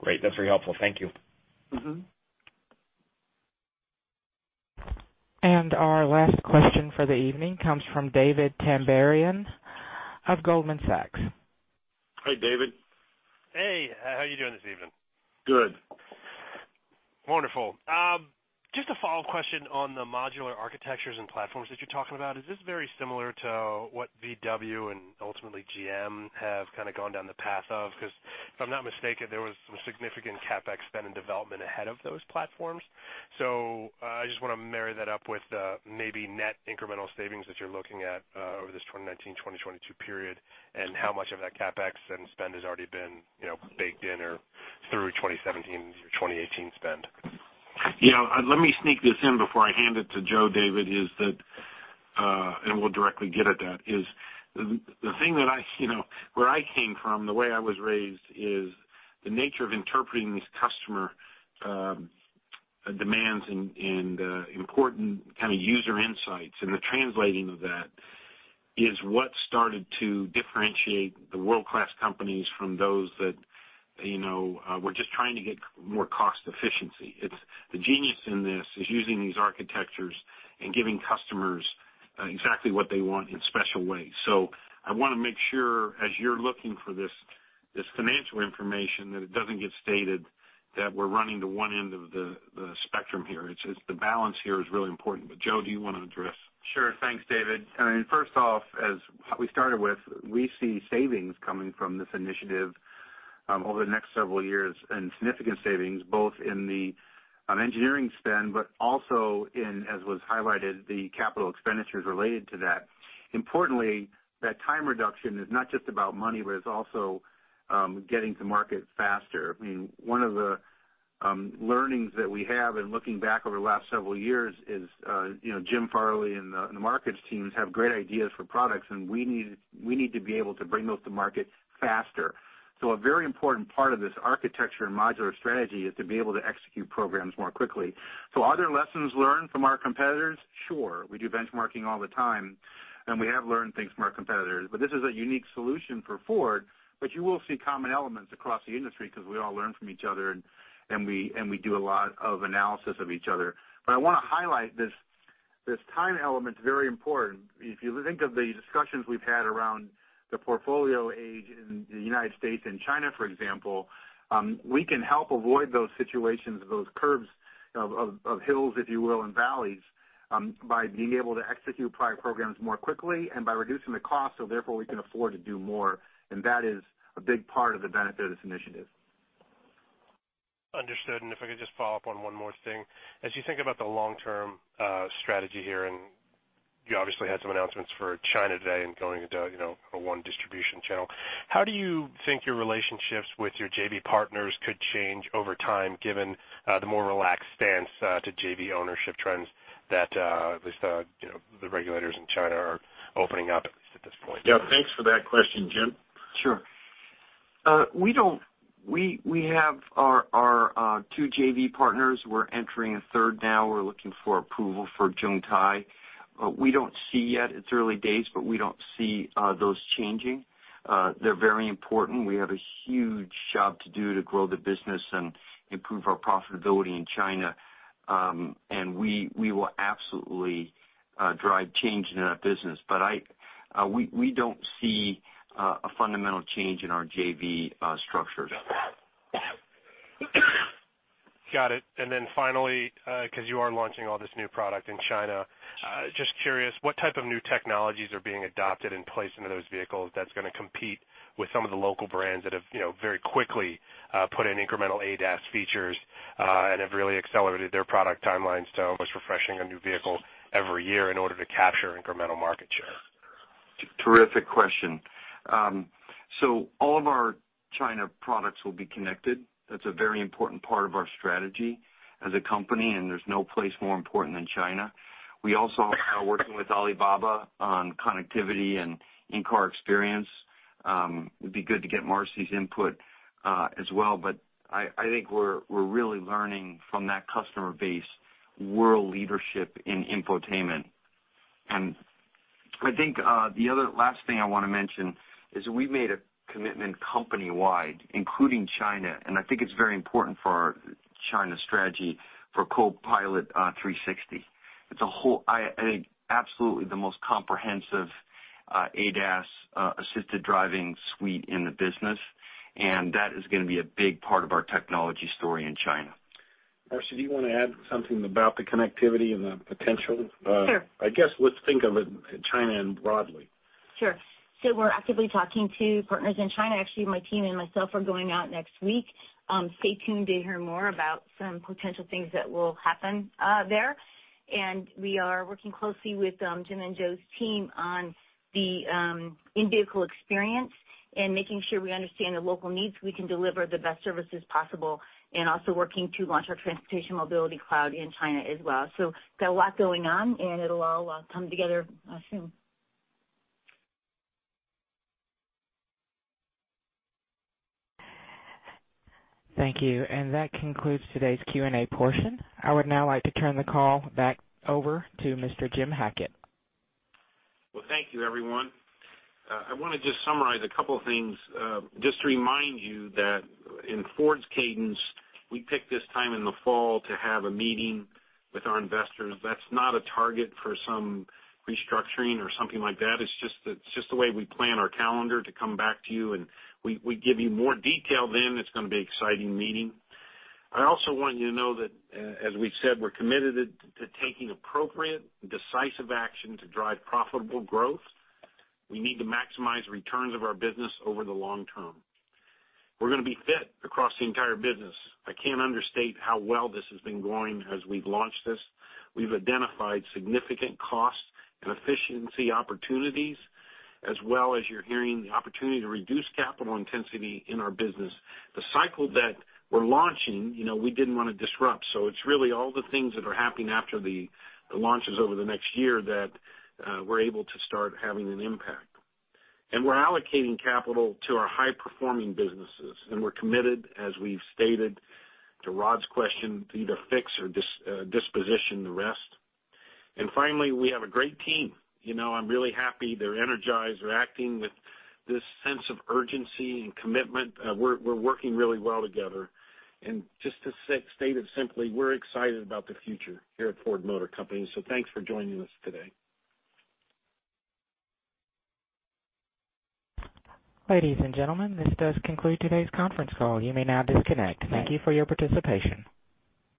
Great. That's very helpful. Thank you.
Our last question for the evening comes from David Tamberrino of Goldman Sachs.
Hi, David.
Hey, how are you doing this evening?
Good.
Wonderful. Just a follow-up question on the modular architectures and platforms that you're talking about. Is this very similar to what VW and ultimately GM have gone down the path of? If I'm not mistaken, there was some significant CapEx spend in development ahead of those platforms. I just want to marry that up with maybe net incremental savings that you're looking at over this 2019-2022 period, and how much of that CapEx and spend has already been baked in or through 2017, 2018 spend.
Let me sneak this in before I hand it to Joe, David, and we'll directly get at that, is the thing that where I came from, the way I was raised is the nature of interpreting these customer demands and important user insights and the translating of that is what started to differentiate the world-class companies from those that were just trying to get more cost efficiency. The genius in this is using these architectures and giving customers exactly what they want in special ways. I want to make sure, as you're looking for this financial information, that it doesn't get stated that we're running to one end of the spectrum here. The balance here is really important. Joe, do you want to address?
Sure. Thanks, David. First off, as we started with, we see savings coming from this initiative over the next several years and significant savings both on engineering spend, but also in, as was highlighted, the capital expenditures related to that. Importantly, that time reduction is not just about money, but it's also getting to market faster. One of the learnings that we have in looking back over the last several years is Jim Farley and the markets teams have great ideas for products, and we need to be able to bring those to market faster. A very important part of this architecture and modular strategy is to be able to execute programs more quickly. Are there lessons learned from our competitors? Sure. We do benchmarking all the time, and we have learned things from our competitors. This is a unique solution for Ford, but you will see common elements across the industry because we all learn from each other and we do a lot of analysis of each other. I want to highlight this time element is very important. If you think of the discussions we've had around the portfolio age in the U.S. and China, for example, we can help avoid those situations, those curves of hills, if you will, and valleys, by being able to execute programs more quickly and by reducing the cost, so therefore, we can afford to do more. That is a big part of the benefit of this initiative.
Understood. If I could just follow up on one more thing. As you think about the long-term strategy here, and you obviously had some announcements for China today and going into a one distribution channel, how do you think your relationships with your JV partners could change over time given the more relaxed stance to JV ownership trends that at least the regulators in China are opening up, at least at this point?
Yeah. Thanks for that question. Jim?
Sure. We have our two JV partners. We are entering a third now. We are looking for approval for Zotye. It is early days, but we don't see those changing. They are very important. We have a huge job to do to grow the business and improve our profitability in China. We will absolutely drive change in that business. We don't see a fundamental change in our JV structures.
Got it. Finally, because you are launching all this new product in China, just curious what type of new technologies are being adopted and placed into those vehicles that's going to compete with some of the local brands that have very quickly put in incremental ADAS features and have really accelerated their product timelines to almost refreshing a new vehicle every year in order to capture incremental market share?
Terrific question. All of our China products will be connected. That's a very important part of our strategy as a company, and there's no place more important than China. We also are working with Alibaba on connectivity and in-car experience. It'd be good to get Marcy's input as well. I think we're really learning from that customer base world leadership in infotainment. I think the other last thing I want to mention is we made a commitment company-wide, including China, and I think it's very important for our China strategy for Co-Pilot360. It's absolutely the most comprehensive ADAS-assisted driving suite in the business, and that is going to be a big part of our technology story in China. Marcy, do you want to add something about the connectivity and the potential?
Sure.
I guess let's think of it China and broadly.
Sure. We're actively talking to partners in China. Actually, my team and myself are going out next week. Stay tuned to hear more about some potential things that will happen there. We are working closely with Jim and Joe's team on the in-vehicle experience and making sure we understand the local needs we can deliver the best services possible and also working to launch our transportation mobility cloud in China as well. Got a lot going on and it'll all come together soon.
Thank you. That concludes today's Q&A portion. I would now like to turn the call back over to Mr. Jim Hackett.
Well, thank you everyone. I want to just summarize a couple of things. Just to remind you that in Ford's cadence, we pick this time in the fall to have a meeting with our investors. That's not a target for some restructuring or something like that. It's just the way we plan our calendar to come back to you, and we give you more detail then. It's going to be an exciting meeting. I also want you to know that, as we've said, we're committed to taking appropriate, decisive action to drive profitable growth. We need to maximize returns of our business over the long term. We're going to be fit across the entire business. I can't understate how well this has been going as we've launched this. We've identified significant cost and efficiency opportunities, as well as you're hearing the opportunity to reduce capital intensity in our business. The cycle that we're launching we didn't want to disrupt. It's really all the things that are happening after the launches over the next year that we're able to start having an impact. We're allocating capital to our high-performing businesses, and we're committed, as we've stated to Rod's question, to either fix or disposition the rest. Finally, we have a great team. I'm really happy. They're energized. They're acting with this sense of urgency and commitment. We're working really well together. Just to state it simply, we're excited about the future here at Ford Motor Company. Thanks for joining us today.
Ladies and gentlemen, this does conclude today's conference call. You may now disconnect. Thank you for your participation.